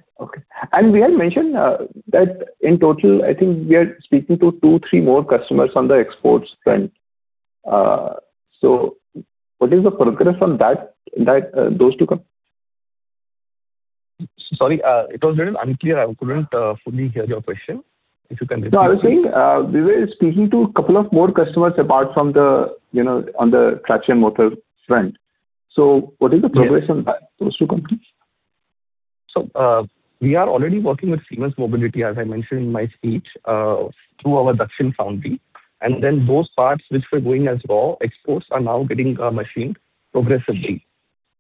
Speaker 10: We had mentioned that in total, I think we are speaking to two, three more customers on the exports front. What is the progress on that those two?
Speaker 2: Sorry, it was little unclear. I couldn't fully hear your question. If you can repeat please.
Speaker 10: No, I was saying, we were speaking to a couple of more customers apart from the, you know, on the traction motor front. What is the progress—
Speaker 2: Yeah.
Speaker 10: —on that, those two companies?
Speaker 2: We are already working with Siemens Mobility, as I mentioned in my speech, through our Dakshin Foundry. Those parts which were going as raw exports are now getting machined progressively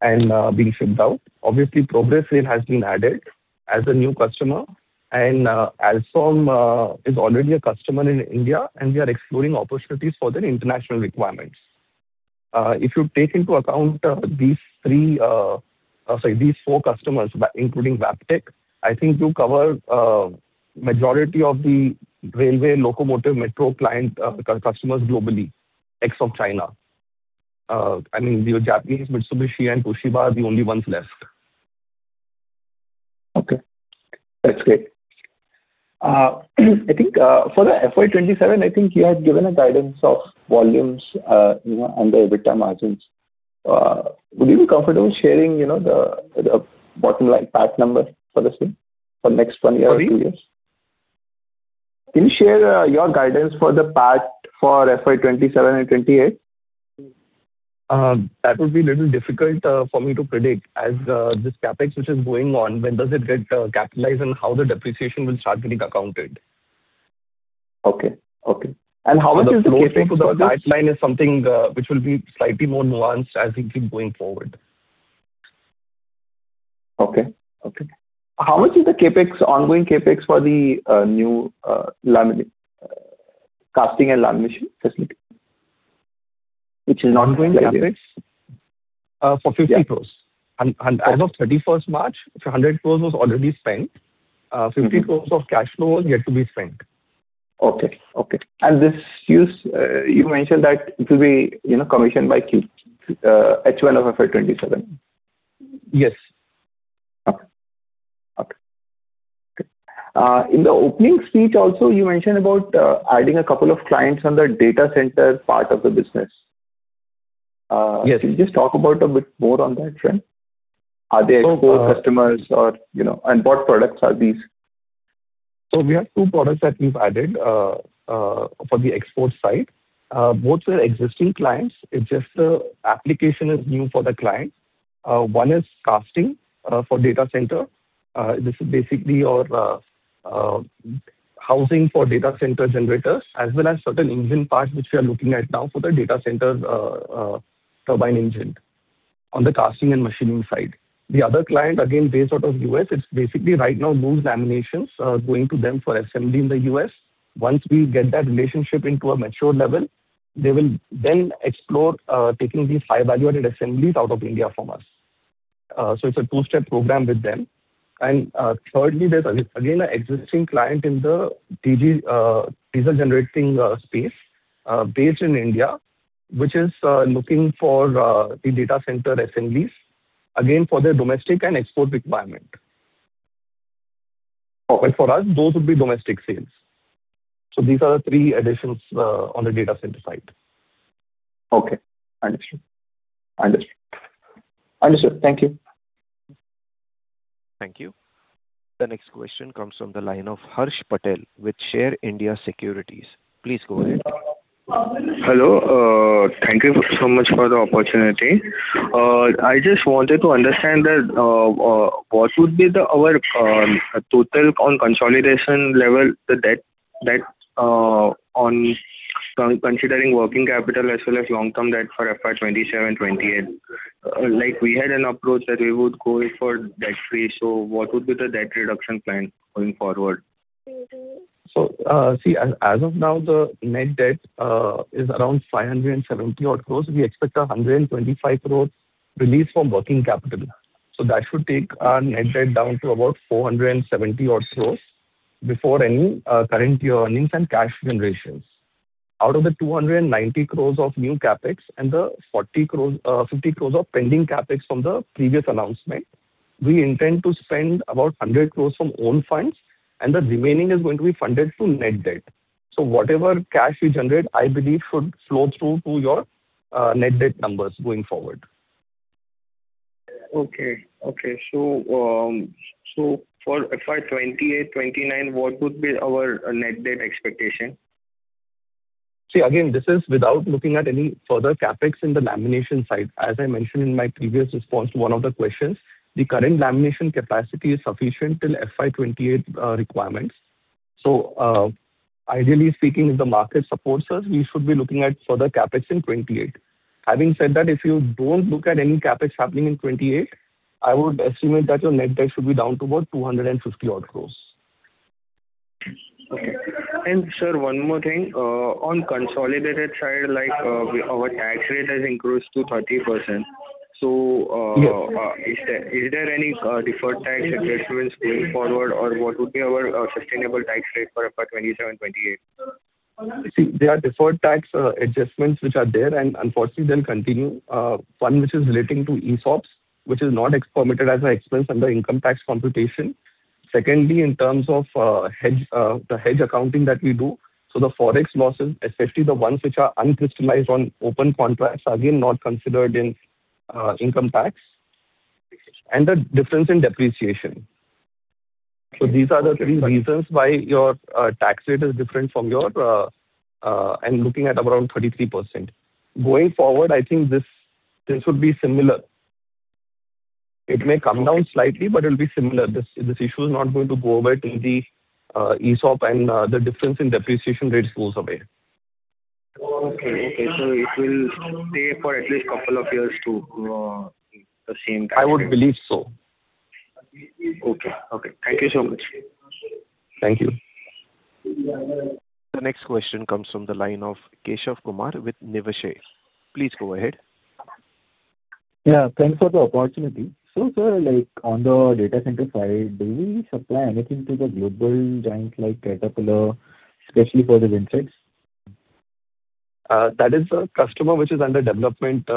Speaker 2: and being shipped out. Obviously, Progress Rail has been added as a new customer and Alstom is already a customer in India, and we are exploring opportunities for their international requirements. If you take into account these three, sorry, these four customers, including Wabtec, I think you cover majority of the railway locomotive metro client customers globally, ex of China. I mean, the Japanese Mitsubishi and Toshiba are the only ones left.
Speaker 10: Okay. That's great. I think, for the FY 2027, I think you had given a guidance of volumes, you know, and the EBITDA margins. Would you be comfortable sharing, you know, the bottom line PAT number for the same for next one year or two years?
Speaker 2: Sorry?
Speaker 10: Can you share, your guidance for the PAT for FY 2027 and 2028?
Speaker 2: That would be little difficult for me to predict as this CapEx which is going on, when does it get capitalized and how the depreciation will start getting accounted.
Speaker 10: Okay, okay. How much is the CapEx for this—
Speaker 2: The flow through to the guideline is something which will be slightly more nuanced as we keep going forward.
Speaker 10: Okay, okay. How much is the CapEx, ongoing CapEx for the new casting and lamination facility?
Speaker 2: Ongoing CapEx? For 50 crores.
Speaker 10: Yeah.
Speaker 2: As of 31st March, 100 crores was already spent. 50 crores of cash flow is yet to be spent.
Speaker 10: Okay, okay. This use, you mentioned that it will be, you know, commissioned by H1 of FY 2027.
Speaker 2: Yes.
Speaker 10: Okay. In the opening speech also, you mentioned about adding a couple of clients on the data center part of the business.
Speaker 2: Yes.
Speaker 10: Can you just talk about a bit more on that front? Are they core customers or, you know, and what products are these?
Speaker 2: We have two products that we've added for the export side. Both are existing clients. It's just the application is new for the client. One is casting for data center. This is basically your housing for data center generators as well as certain engine parts which we are looking at now for the data center's turbine engine on the casting and machining side. The other client, again, based out of U.S., it's basically right now those laminations are going to them for assembly in the U.S. Once we get that relationship into a mature level, they will then explore taking these high-value-added assemblies out of India from us. It's a two-step program with them. Thirdly, there's again, an existing client in the DG, diesel generating space, based in India, which is looking for the data center assemblies, again, for their domestic and export requirement. For us, those would be domestic sales. These are the three additions on the data center side.
Speaker 10: Okay. Understood. Understood. Understood. Thank you.
Speaker 1: Thank you. The next question comes from the line of Harsh Patel with Share India Securities. Please go ahead.
Speaker 11: Hello. Thank you so much for the opportunity. I just wanted to understand that what would be our total on consolidation level, the debt on considering working capital as well as long-term debt for FY 2027, 2028. Like we had an approach that we would go for debt free, so what would be the debt reduction plan going forward?
Speaker 2: As of now, the net debt is around 570 odd crores. We expect a 125 crores release from working capital. That should take our net debt down to about 470-odd crores before any current year earnings and cash generations. Out of the 290 crores of new CapEx and the 40 crores, 50 crores of pending CapEx from the previous announcement. We intend to spend about 100 crores from own funds, and the remaining is going to be funded through net debt. Whatever cash we generate, I believe should flow through to your net debt numbers going forward.
Speaker 11: Okay. Okay. For FY 2028, 2029, what would be our net debt expectation?
Speaker 2: See, again, this is without looking at any further CapEx in the lamination side. As I mentioned in my previous response to one of the questions, the current lamination capacity is sufficient till FY 2028 requirements. Ideally speaking, if the market supports us, we should be looking at further CapEx in 28. Having said that, if you don't look at any CapEx happening in 2028, I would estimate that your net debt should be down to about 250-odd crores.
Speaker 11: Okay. Sir, one more thing. On consolidated side, like, our tax rate has increased to 30%.
Speaker 2: Yes.
Speaker 11: Is there any deferred tax adjustments going forward, or what would be our sustainable tax rate for FY 2027, 2028?
Speaker 2: See, there are deferred tax adjustments which are there, and unfortunately they'll continue. One which is relating to ESOPs, which is not permitted as an expense under income tax computation. Secondly, in terms of hedge, the hedge accounting that we do. The forex losses, especially the ones which are uncrystallized on open contracts, are again not considered in income tax and the difference in depreciation. These are the three reasons why your tax rate is different from your I'm looking at around 33%. Going forward, I think this would be similar. It may come down slightly, but it'll be similar. This issue is not going to go away till the ESOP and the difference in depreciation rates goes away.
Speaker 11: Okay. Okay. It will stay for at least couple of years to the same kind of?
Speaker 2: I would believe so.
Speaker 11: Okay. Okay. Thank you so much.
Speaker 2: Thank you.
Speaker 1: The next question comes from the line of Keshav Kumar with Niveshaay. Please go ahead.
Speaker 12: Yeah, thanks for the opportunity. Sir, like, on the data center side, do you supply anything to the global giant like Caterpillar, especially for the wind farms?
Speaker 2: That is a customer which is under development,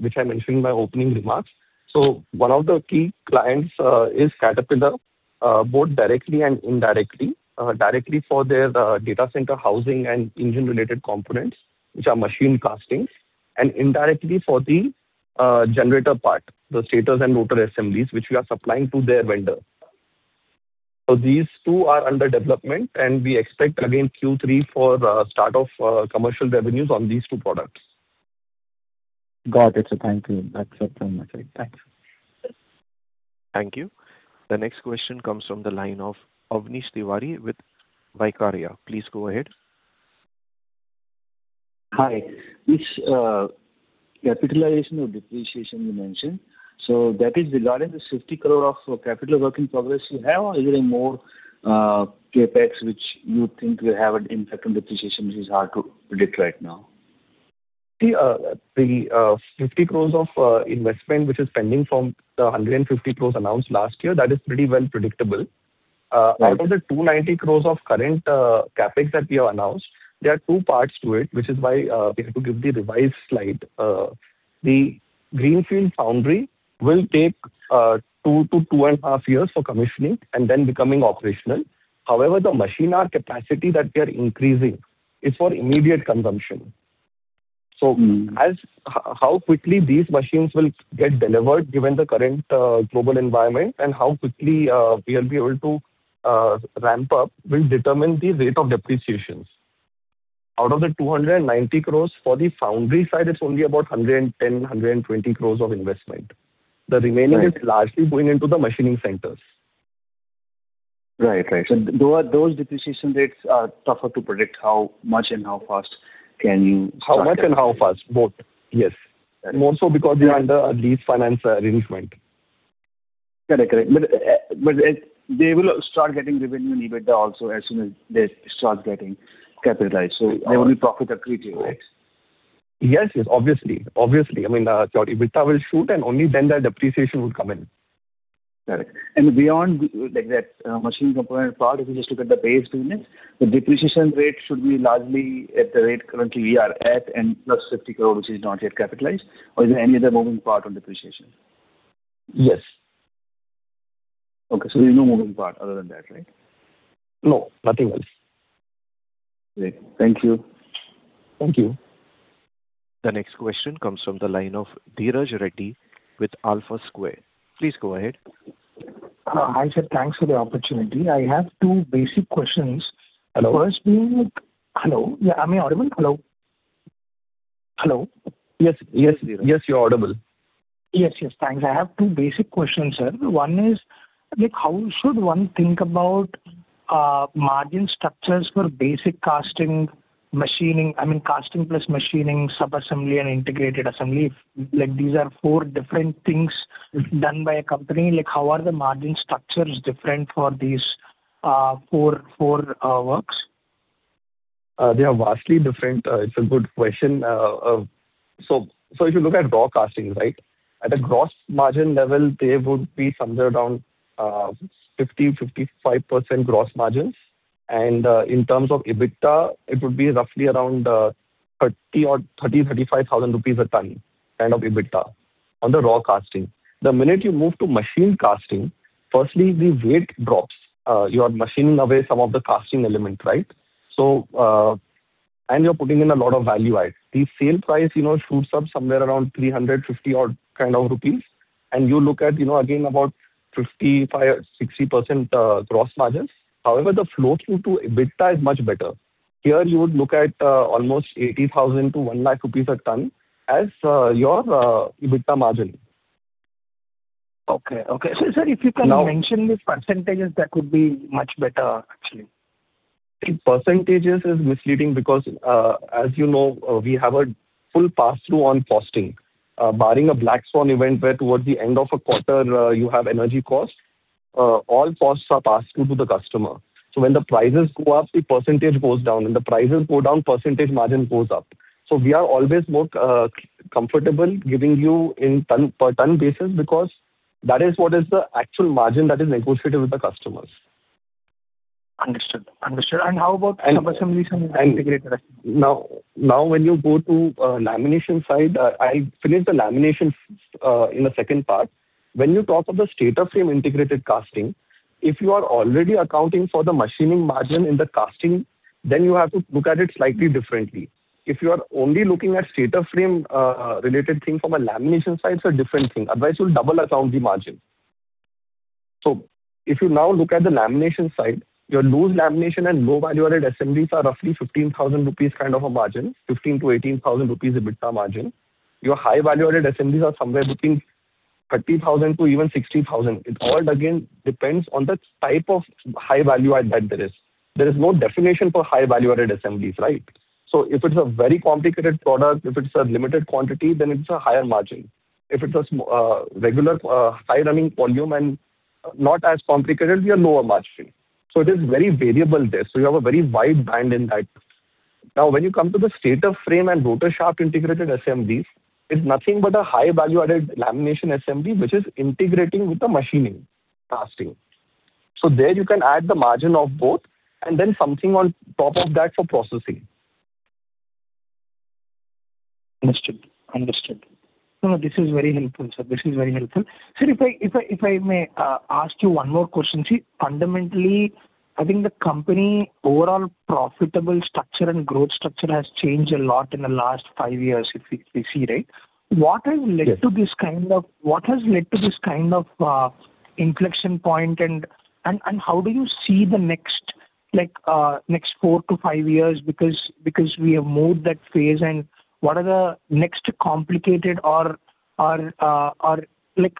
Speaker 2: which I mentioned in my opening remarks. One of the key clients is Caterpillar, both directly and indirectly. Directly for their data center housing and engine-related components, which are machine castings. Indirectly for the generator part, the stators and rotor assemblies, which we are supplying to their vendor. These two are under development, and we expect again Q3 for the start of commercial revenues on these two products.
Speaker 12: Got it, sir. Thank you. That's it from my side. Thanks.
Speaker 1: Thank you. The next question comes from the line of Avnish Tiwari with Vaikarya. Please go ahead.
Speaker 4: Hi. This capitalization or depreciation you mentioned, that is regarding the 50 crore of capital work in progress you have or is there any more CapEx which you think will have an impact on depreciation, which is hard to predict right now?
Speaker 2: The 50 crores of investment which is pending from the 150 crores announced last year, that is pretty well predictable.
Speaker 4: Right.
Speaker 2: Out of the 290 crores of current CapEx that we have announced, there are two parts to it, which is why we have to give the revised slide. The greenfield foundry will take two to two and half years for commissioning and then becoming operational. However, the machine hour capacity that we are increasing is for immediate consumption. How quickly these machines will get delivered given the current global environment and how quickly we'll be able to ramp up will determine the rate of depreciations. Out of the 290 crores, for the foundry side, it's only about 110-120 crores of investment.
Speaker 4: Right.
Speaker 2: The remaining is largely going into the machining centers.
Speaker 4: Right. Right. Those depreciation rates are tougher to predict how much and how fast can you start that?
Speaker 2: How much and how fast, both. Yes.
Speaker 4: Yeah
Speaker 2: We're under a lease finance arrangement.
Speaker 4: Correct. Correct. They will start getting revenue and EBITDA also as soon as they start getting capitalized, so they will be profit accretive, right?
Speaker 2: Yes. Yes. Obviously. Obviously. I mean, your EBITDA will shoot and only then the depreciation will come in.
Speaker 4: Correct. Beyond, like, that machine component part, if you just look at the Base business, the depreciation rate should be largely at the rate currently we are at and +50 crore, which is not yet capitalized. Is there any other moving part on depreciation?
Speaker 2: Yes.
Speaker 4: Okay. There's no moving part other than that, right?
Speaker 2: No, nothing else.
Speaker 4: Great. Thank you.
Speaker 2: Thank you.
Speaker 1: The next question comes from the line of Dheeraj Reddy with AlphaSqr. Please go ahead.
Speaker 13: Hi, sir. Thanks for the opportunity. I have two basic questions.
Speaker 2: Hello?
Speaker 13: The first being Hello? Yeah. Am I audible? Hello? Hello?
Speaker 2: Yes. Yes, Dheeraj. Yes, you're audible.
Speaker 13: Yes. Yes. Thanks. I have two basic questions, sir. One is, like, how should one think about margin structures for basic casting, machining I mean, casting plus machining, sub-assembly and integrated assembly? Like, these are four different things done by a company. Like, how are the margin structures different for these four works?
Speaker 2: They are vastly different. It's a good question. If you look at raw casting, right? At a gross margin level, they would be somewhere around 50%-55% gross margins. In terms of EBITDA, it would be roughly around 30,000-35,000 rupees a tonne kind of EBITDA on the raw casting. The minute you move to machined casting, firstly the weight drops. You are machining away some of the casting element, right? You're putting in a lot of value add. The sale price, you know, shoots up somewhere around 350-odd. You look at, you know, again about 55%-60% gross margins. However, the flow through to EBITDA is much better. Here you would look at almost 80,000 to 100,000 rupees a ton as your EBITDA margin.
Speaker 13: Okay. Okay. Sir, if you can—
Speaker 2: Now—
Speaker 13: —mention the percentages, that would be much better actually.
Speaker 2: The percentage is misleading because, as you know, we have a full pass-through on costing. Barring a black swan event where towards the end of a quarter, you have energy costs, all costs are passed through to the customer. When the prices go up, the percentage goes down. When the prices go down, percentage margin goes up. We are always more comfortable giving you in ton per ton basis because that is what is the actual margin that is negotiated with the customers.
Speaker 13: Understood. Understood. How about sub-assemblies and integrated assemblies?
Speaker 2: Now when you go to the lamination side, I finished the lamination in the second part. When you talk of the stator frame integrated casting, if you are already accounting for the machining margin in the casting, then you have to look at it slightly differently. If you are only looking at stator frame related thing from a lamination side, it's a different thing. Otherwise, you'll double account the margin. If you now look at the lamination side, your loose lamination and low value-added assemblies are roughly 15,000 rupees kind of a margin, 15,000-18,000 rupees EBITDA margin. Your high value-added assemblies are somewhere between 30,000 to even 60,000. It all again depends on the type of high value add that there is. There is no definition for high value-added assemblies, right? If it's a very complicated product, if it's a limited quantity, then it's a higher margin. If it's a regular, high running volume and not as complicated, we have lower margin. It is very variable there. You have a very wide band in that. When you come to the stator frame and rotor shaft integrated assemblies, it's nothing but a high value-added lamination assembly which is integrating with the machining casting. There you can add the margin of both and then something on top of that for processing.
Speaker 13: Understood. Understood. No, this is very helpful, sir. This is very helpful. Sir, if I may ask you one more question. See, fundamentally, I think the company overall profitable structure and growth structure has changed a lot in the last five years if we see, right? What has led to this kind of—
Speaker 2: Yes.
Speaker 13: —what has led to this kind of inflection point and how do you see the next four to five years because we have moved that phase? What are the next complicated or like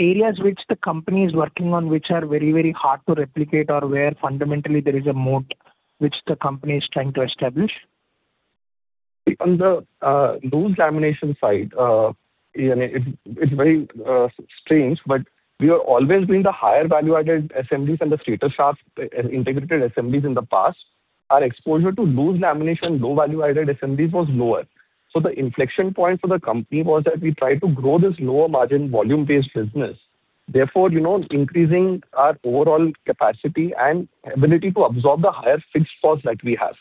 Speaker 13: areas which the company is working on which are very hard to replicate or where fundamentally there is a moat which the company is trying to establish?
Speaker 2: On the loose lamination side, you know, it's very strange, but we have always been the higher value-added assemblies and the stator shaft integrated assemblies in the past. Our exposure to loose lamination, low value-added assemblies was lower. The inflection point for the company was that we tried to grow this lower margin volume-based business, therefore, you know, increasing our overall capacity and ability to absorb the higher fixed costs like we have.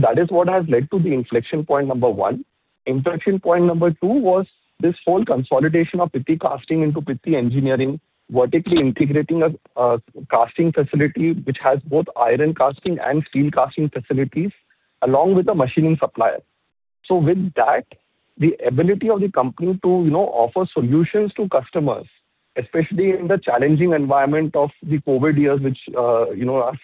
Speaker 2: That is what has led to the inflection point number one. Inflection point number one was this whole consolidation of Pitti Castings into Pitti Engineering, vertically integrating a casting facility which has both iron casting and steel casting facilities along with a machining supplier. With that, the ability of the company to, you know, offer solutions to customers, especially in the challenging environment of the COVID years, which, you know, are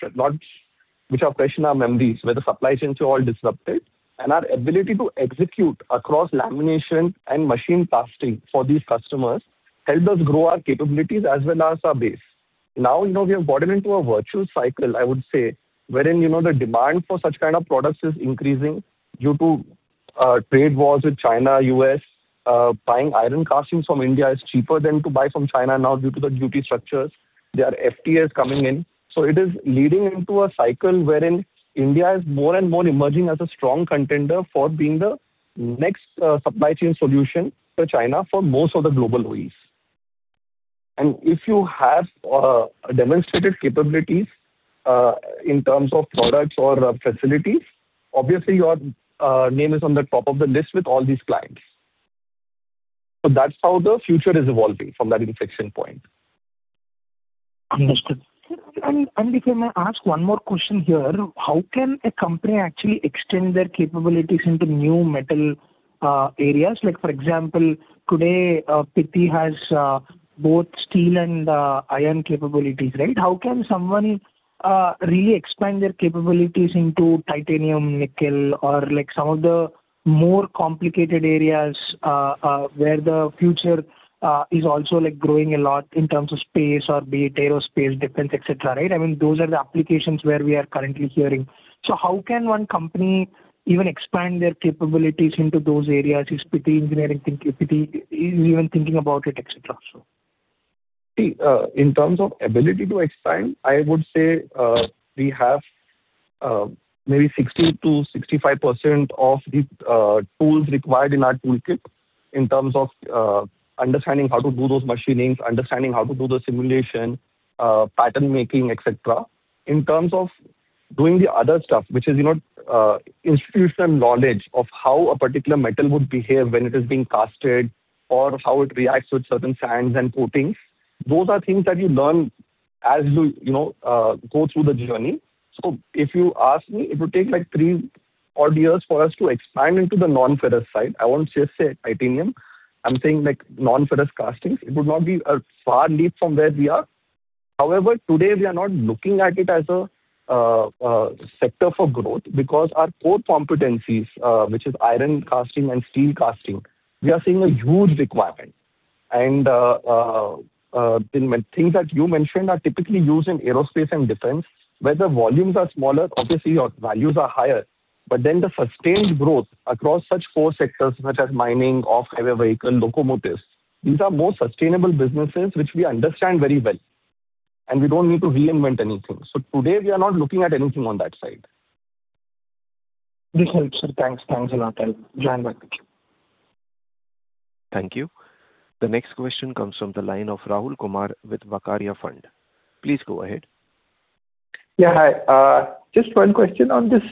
Speaker 2: fresh in our memories, where the supply chains were all disrupted. Our ability to execute across lamination and machine casting for these customers helped us grow our capabilities as well as our base. Now, you know, we have gotten into a virtual cycle, I would say, wherein, you know, the demand for such kind of products is increasing due to trade wars with China, U.S. Buying iron castings from India is cheaper than to buy from China now due to the duty structures. Their FTA is coming in. It is leading into a cycle wherein India is more and more emerging as a strong contender for being the next supply chain solution to China for most of the global OEs. If you have demonstrated capabilities in terms of products or facilities, obviously your name is on the top of the list with all these clients. That's how the future is evolving from that inflection point.
Speaker 13: Understood. If I may ask one more question here, how can a company actually extend their capabilities into new metal areas? Like, for example, today, Pitti has both steel and iron capabilities, right? How can someone really expand their capabilities into titanium, nickel or like some of the more complicated areas, where the future is also like growing a lot in terms of space or be it aerospace, defense, et cetera, right? I mean, those are the applications where we are currently hearing. How can one company even expand their capabilities into those areas? Is Pitti Engineering even thinking about it, et cetera?
Speaker 2: See, in terms of ability to expand, I would say, we have, maybe 60%-65% of the tools required in our toolkit in terms of, understanding how to do those machines, understanding how to do the simulation, pattern making, et cetera. In terms of doing the other stuff, which is, you know, institutional knowledge of how a particular metal would behave when it is being casted or how it reacts with certain sands and coatings, those are things that you learn as you know, go through the journey. If you ask me, it would take like three odd years for us to expand into the non-ferrous side. I won't just say titanium. I'm saying like non-ferrous castings. It would not be a far leap from where we are. Today, we are not looking at it as a sector for growth because our core competencies, which is iron casting and steel casting, we are seeing a huge requirement. Things that you mentioned are typically used in aerospace and defense, where the volumes are smaller, obviously your values are higher. The sustained growth across such core sectors such as mining, off-highway vehicle, locomotives, these are more sustainable businesses which we understand very well, and we don't need to reinvent anything. Today, we are not looking at anything on that side.
Speaker 13: This helps, sir. Thanks. Thanks a lot. I'll join back.
Speaker 1: Thank you. The next question comes from the line of Rahul Kumar with Vaikarya Fund. Please go ahead.
Speaker 10: Yeah, hi. Just one question on this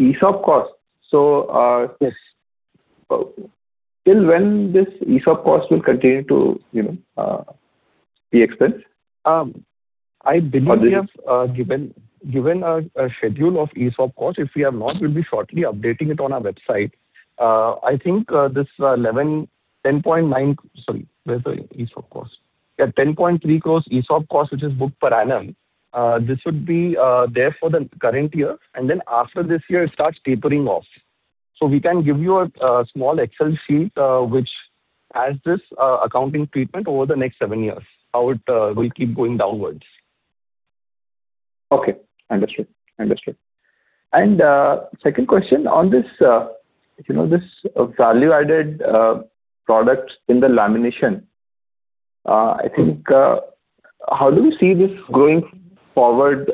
Speaker 10: ESOP cost.
Speaker 2: Yes.
Speaker 10: Till when this ESOP cost will continue to, you know, be expense?
Speaker 2: I believe we have given a schedule of ESOP cost. If we have not, we'll be shortly updating it on our website. I think this 10.9 crore. Sorry, where's the ESOP cost? Yeah, 10.3 crores ESOP cost, which is booked per annum. This would be there for the current year. After this year it starts tapering off. We can give you a small Excel sheet which has this accounting treatment over the next seven years, how it will keep going downwards.
Speaker 10: Okay. Understood. Understood. Second question on this, if you know this value-added products in the lamination, I think, how do we see this going forward?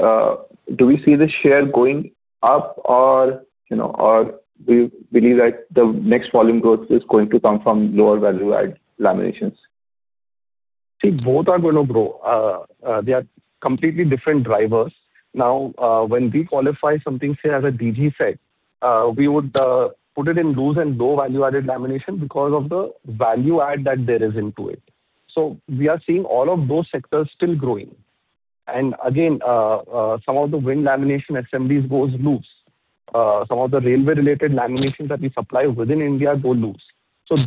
Speaker 10: Do we see the share going up or, you know, or do you believe that the next volume growth is going to come from lower value-add laminations?
Speaker 2: See, both are gonna grow. They are completely different drivers. Now, when we qualify something, say, as a DG set, we would put it in loose and low value-added lamination because of the value add that there is into it. We are seeing all of those sectors still growing. Again, some of the wind lamination assemblies goes loose. Some of the railway-related laminations that we supply within India go loose.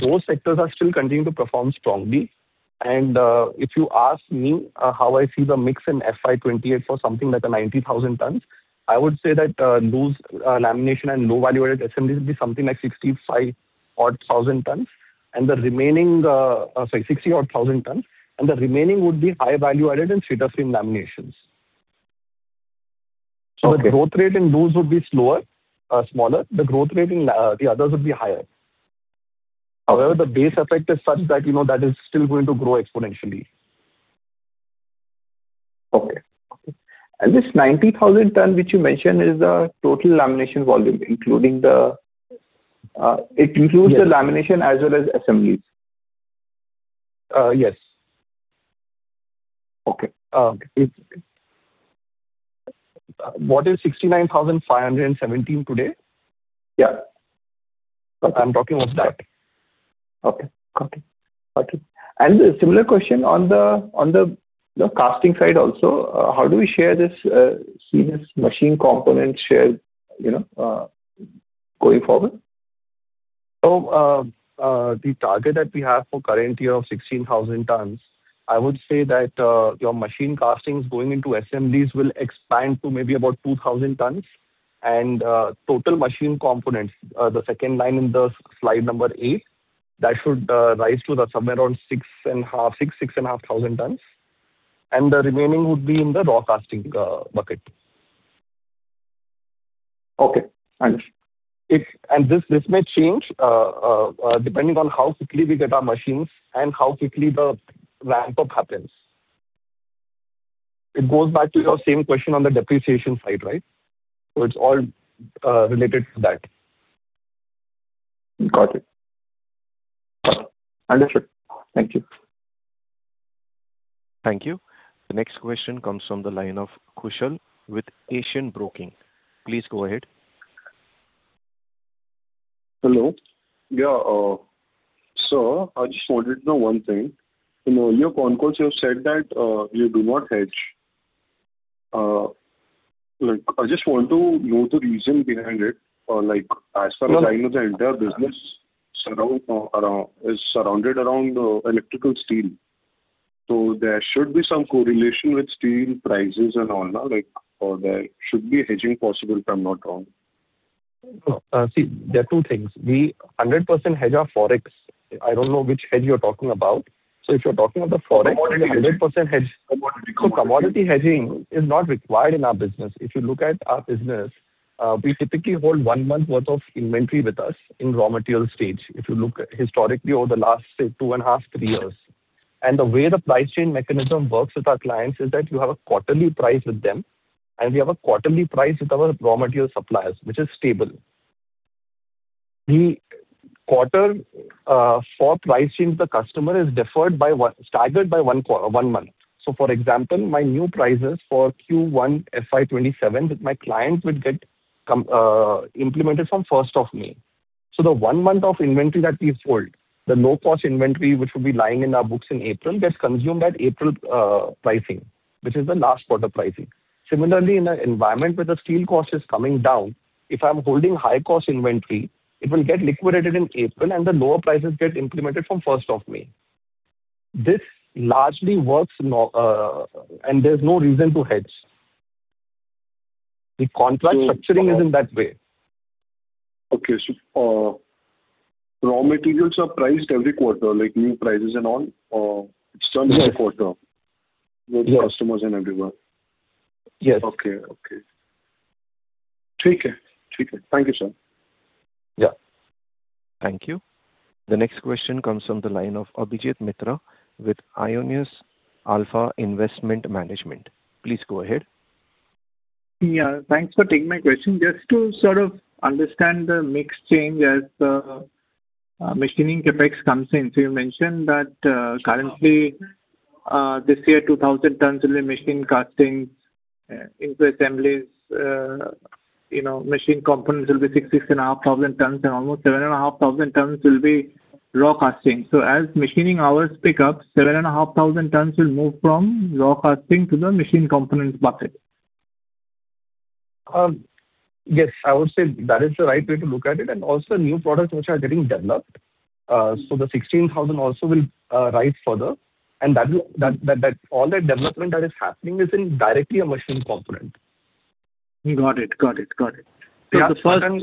Speaker 2: Those sectors are still continuing to perform strongly. If you ask me, how I see the mix in FY 2028 for something like a 90,000 tonnes, I would say that, loose lamination and low value-added assemblies will be something like 65,000-odd tonnes, and the remaining, Sorry, 60,000-odd tonnes, and the remaining would be high value-added and sheet of thin laminations.
Speaker 10: Okay.
Speaker 2: The growth rate in those would be slower, smaller. The growth rate in the others would be higher. However, the base effect is such that, you know, that is still going to grow exponentially.
Speaker 10: Okay. This 90,000 tonnes which you mentioned is the total lamination volume, including the—
Speaker 2: Yes.
Speaker 10: —the lamination as well as assemblies?
Speaker 2: Yes.
Speaker 10: Okay.
Speaker 2: What is 69,517 tonnes today?
Speaker 10: Yeah.
Speaker 2: I'm talking of that.
Speaker 10: Got it. Okay. Got it. Got it. Similar question on the, you know, casting side also. How do we share this, see this machine component share, you know, going forward?
Speaker 2: The target that we have for current year of 16,000 tonnes, I would say that your machine castings going into assemblies will expand to maybe about 2,000 tonnes. Total machine components, the second line in the slide number eight, that should rise to somewhere around 6,500 tonnes, and the remaining would be in the raw casting bucket.
Speaker 10: Okay. Understood.
Speaker 2: If, and this may change, depending on how quickly we get our machines and how quickly the ramp-up happens. It goes back to your same question on the depreciation side, right? It's all related to that.
Speaker 10: Got it. Understood. Thank you.
Speaker 1: Thank you. The next question comes from the line of [Kushal with Asian Broking]. Please go ahead.
Speaker 14: Hello. Yeah, I just wanted to know one thing. In all your conference calls, you have said that you do not hedge. Like, I just want to know the reason behind it. Like, as per design of the entire business is surrounded around electrical steel. There should be some correlation with steel prices and all, no? Like, there should be hedging possible, if I'm not wrong.
Speaker 2: No. See, there are two things. We 100% hedge our forex. I don't know which hedge you're talking about.
Speaker 14: Commodity hedging.
Speaker 2: We are 100% hedged.
Speaker 14: Commodity hedging.
Speaker 2: Commodity hedging is not required in our business. If you look at our business, we typically hold one month worth of inventory with us in raw material stage, if you look historically over the last, say, two and a half, three years. The way the price chain mechanism works with our clients is that you have a quarterly price with them, and we have a quarterly price with our raw material suppliers, which is stable. The quarter for price change with the customer is deferred by one, staggered by one month. For example, my new prices for Q1 FY 2027 with my clients would get implemented from 1st of May. The one month of inventory that we've sold, the low-cost inventory which will be lying in our books in April, gets consumed at April pricing, which is the last quarter pricing. In an environment where the steel cost is coming down, if I'm holding high-cost inventory, it will get liquidated in April and the lower prices get implemented from first of May. This largely works normally, and there's no reason to hedge. The contract structuring is in that way.
Speaker 14: Okay. Raw materials are priced every quarter, like new prices and all? It's done every quarter—
Speaker 2: Yes.
Speaker 14: —with customers and everyone?
Speaker 2: Yes.
Speaker 14: Okay. Okay. Thank you, sir.
Speaker 2: Yeah.
Speaker 1: Thank you. The next question comes from the line of Abhijit Mitra with Aionios Alpha Investment Management. Please go ahead.
Speaker 15: Thanks for taking my question. Just to sort of understand the mix change as machining effects comes in. You mentioned that this year 2,000 tonnes will be machined castings into assemblies. You know, machine components will be 6,000, 6,500 tonnes, and almost 7,500 tonnes will be raw casting. As machining hours pick up, 7,500 tonnes will move from raw casting to the machine components bucket.
Speaker 2: Yes, I would say that is the right way to look at it, and also new products which are getting developed. The 16,000 also will rise further and that will all that development that is happening is in directly a machine component.
Speaker 15: Got it. Got it. Got it.
Speaker 2: There are certain.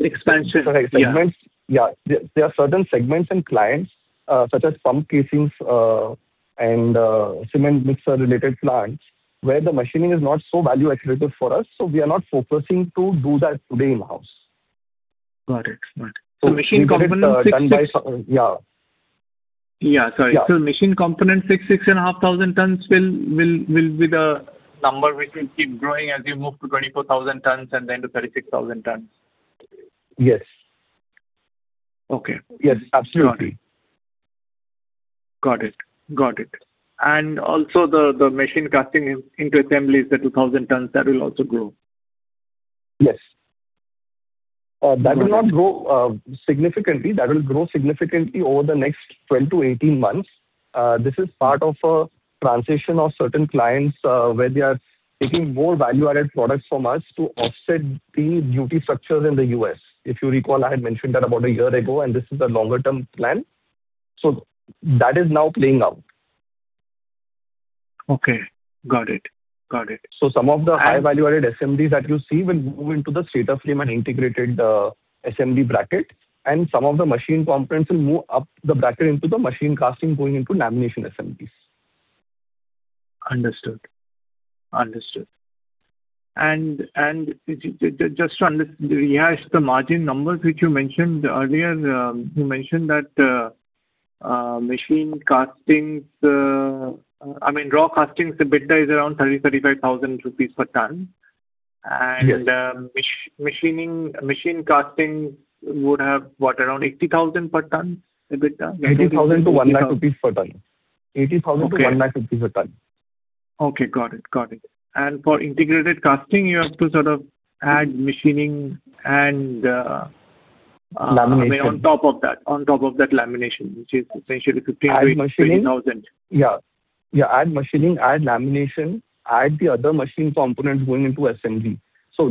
Speaker 2: Yeah. There are certain segments and clients, such as pump casings, and cement mixer related plants where the machining is not so value accretive for us, so we are not focusing to do that today in-house.
Speaker 15: Got it. Got it.
Speaker 2: Yeah.
Speaker 15: Yeah, sorry.
Speaker 2: Yeah.
Speaker 15: Machine component 6,500 tonnes will be the number which will keep growing as you move to 24,000 tonnes and then to 36,000 tonnes.
Speaker 2: Yes.
Speaker 15: Okay.
Speaker 2: Yes, absolutely.
Speaker 15: Got it. Got it. Also the machine casting into assemblies, the 2,000 tonnes, that will also grow.
Speaker 2: Yes. That will not grow significantly. That will grow significantly over the next 12-18 months. This is part of a transition of certain clients, where they are taking more value-added products from us to offset the duty structures in the U.S. If you recall, I had mentioned that about a year ago, and this is a longer term plan. That is now playing out.
Speaker 15: Okay, got it. Got it.
Speaker 2: Some of the high value-added assemblies that you see will move into the stator frame and integrated, assembly bracket and some of the machine components will move up the bracket into the machine casting going into lamination assemblies.
Speaker 15: Understood. Understood. The margin numbers which you mentioned earlier, you mentioned that machine castings, I mean, raw castings EBITDA is around 30,000-35,000 rupees per tonne. Machining, machine castings would have, what? Around 80,000 per tonne EBITDA?
Speaker 2: 80,000-100,000 rupees per ton. 80,000-100,000 rupees per ton.
Speaker 15: Okay. Okay, got it. Got it. For integrated casting, you have to sort of add machining.
Speaker 2: Lamination
Speaker 15: I mean, on top of that, on top of that lamination, which is essentially 15,000-20,000.
Speaker 2: Add machining. Yeah. Yeah, add machining, add lamination, add the other machine components going into assembly.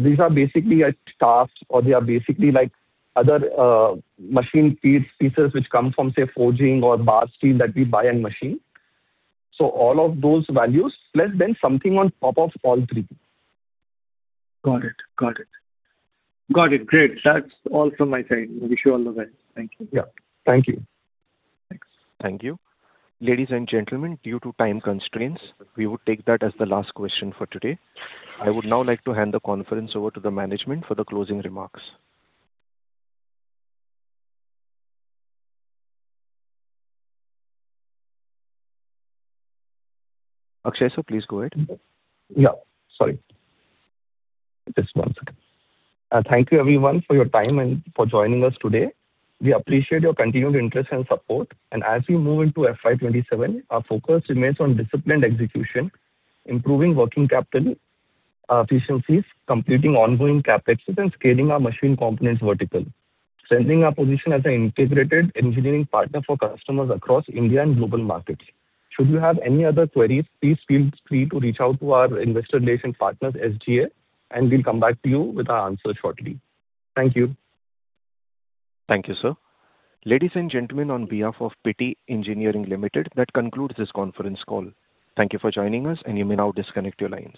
Speaker 2: These are basically a task or they are basically like other machine pie-pieces which come from, say, forging or bar steel that we buy in machine. All of those values plus then something on top of all three.
Speaker 15: Got it. Great. That's all from my side. Wish you all the best. Thank you.
Speaker 2: Yeah. Thank you.
Speaker 15: Thanks.
Speaker 1: Thank you. Ladies and gentlemen, due to time constraints, we would take that as the last question for today. I would now like to hand the conference over to the management for the closing remarks. Akshay, sir, please go ahead.
Speaker 2: Yeah, sorry. Just one second. Thank you everyone for your time and for joining us today. We appreciate your continued interest and support. As we move into FY 2027, our focus remains on disciplined execution, improving working capital efficiencies, completing ongoing CapExes, and scaling our machine components vertical, strengthening our position as an integrated engineering partner for customers across India and global markets. Should you have any other queries, please feel free to reach out to our investor relations partners, SGA, and we'll come back to you with our answer shortly. Thank you.
Speaker 1: Thank you, sir. Ladies and gentlemen, on behalf of Pitti Engineering Limited, that concludes this conference call. Thank you for joining us, and you may now disconnect your lines.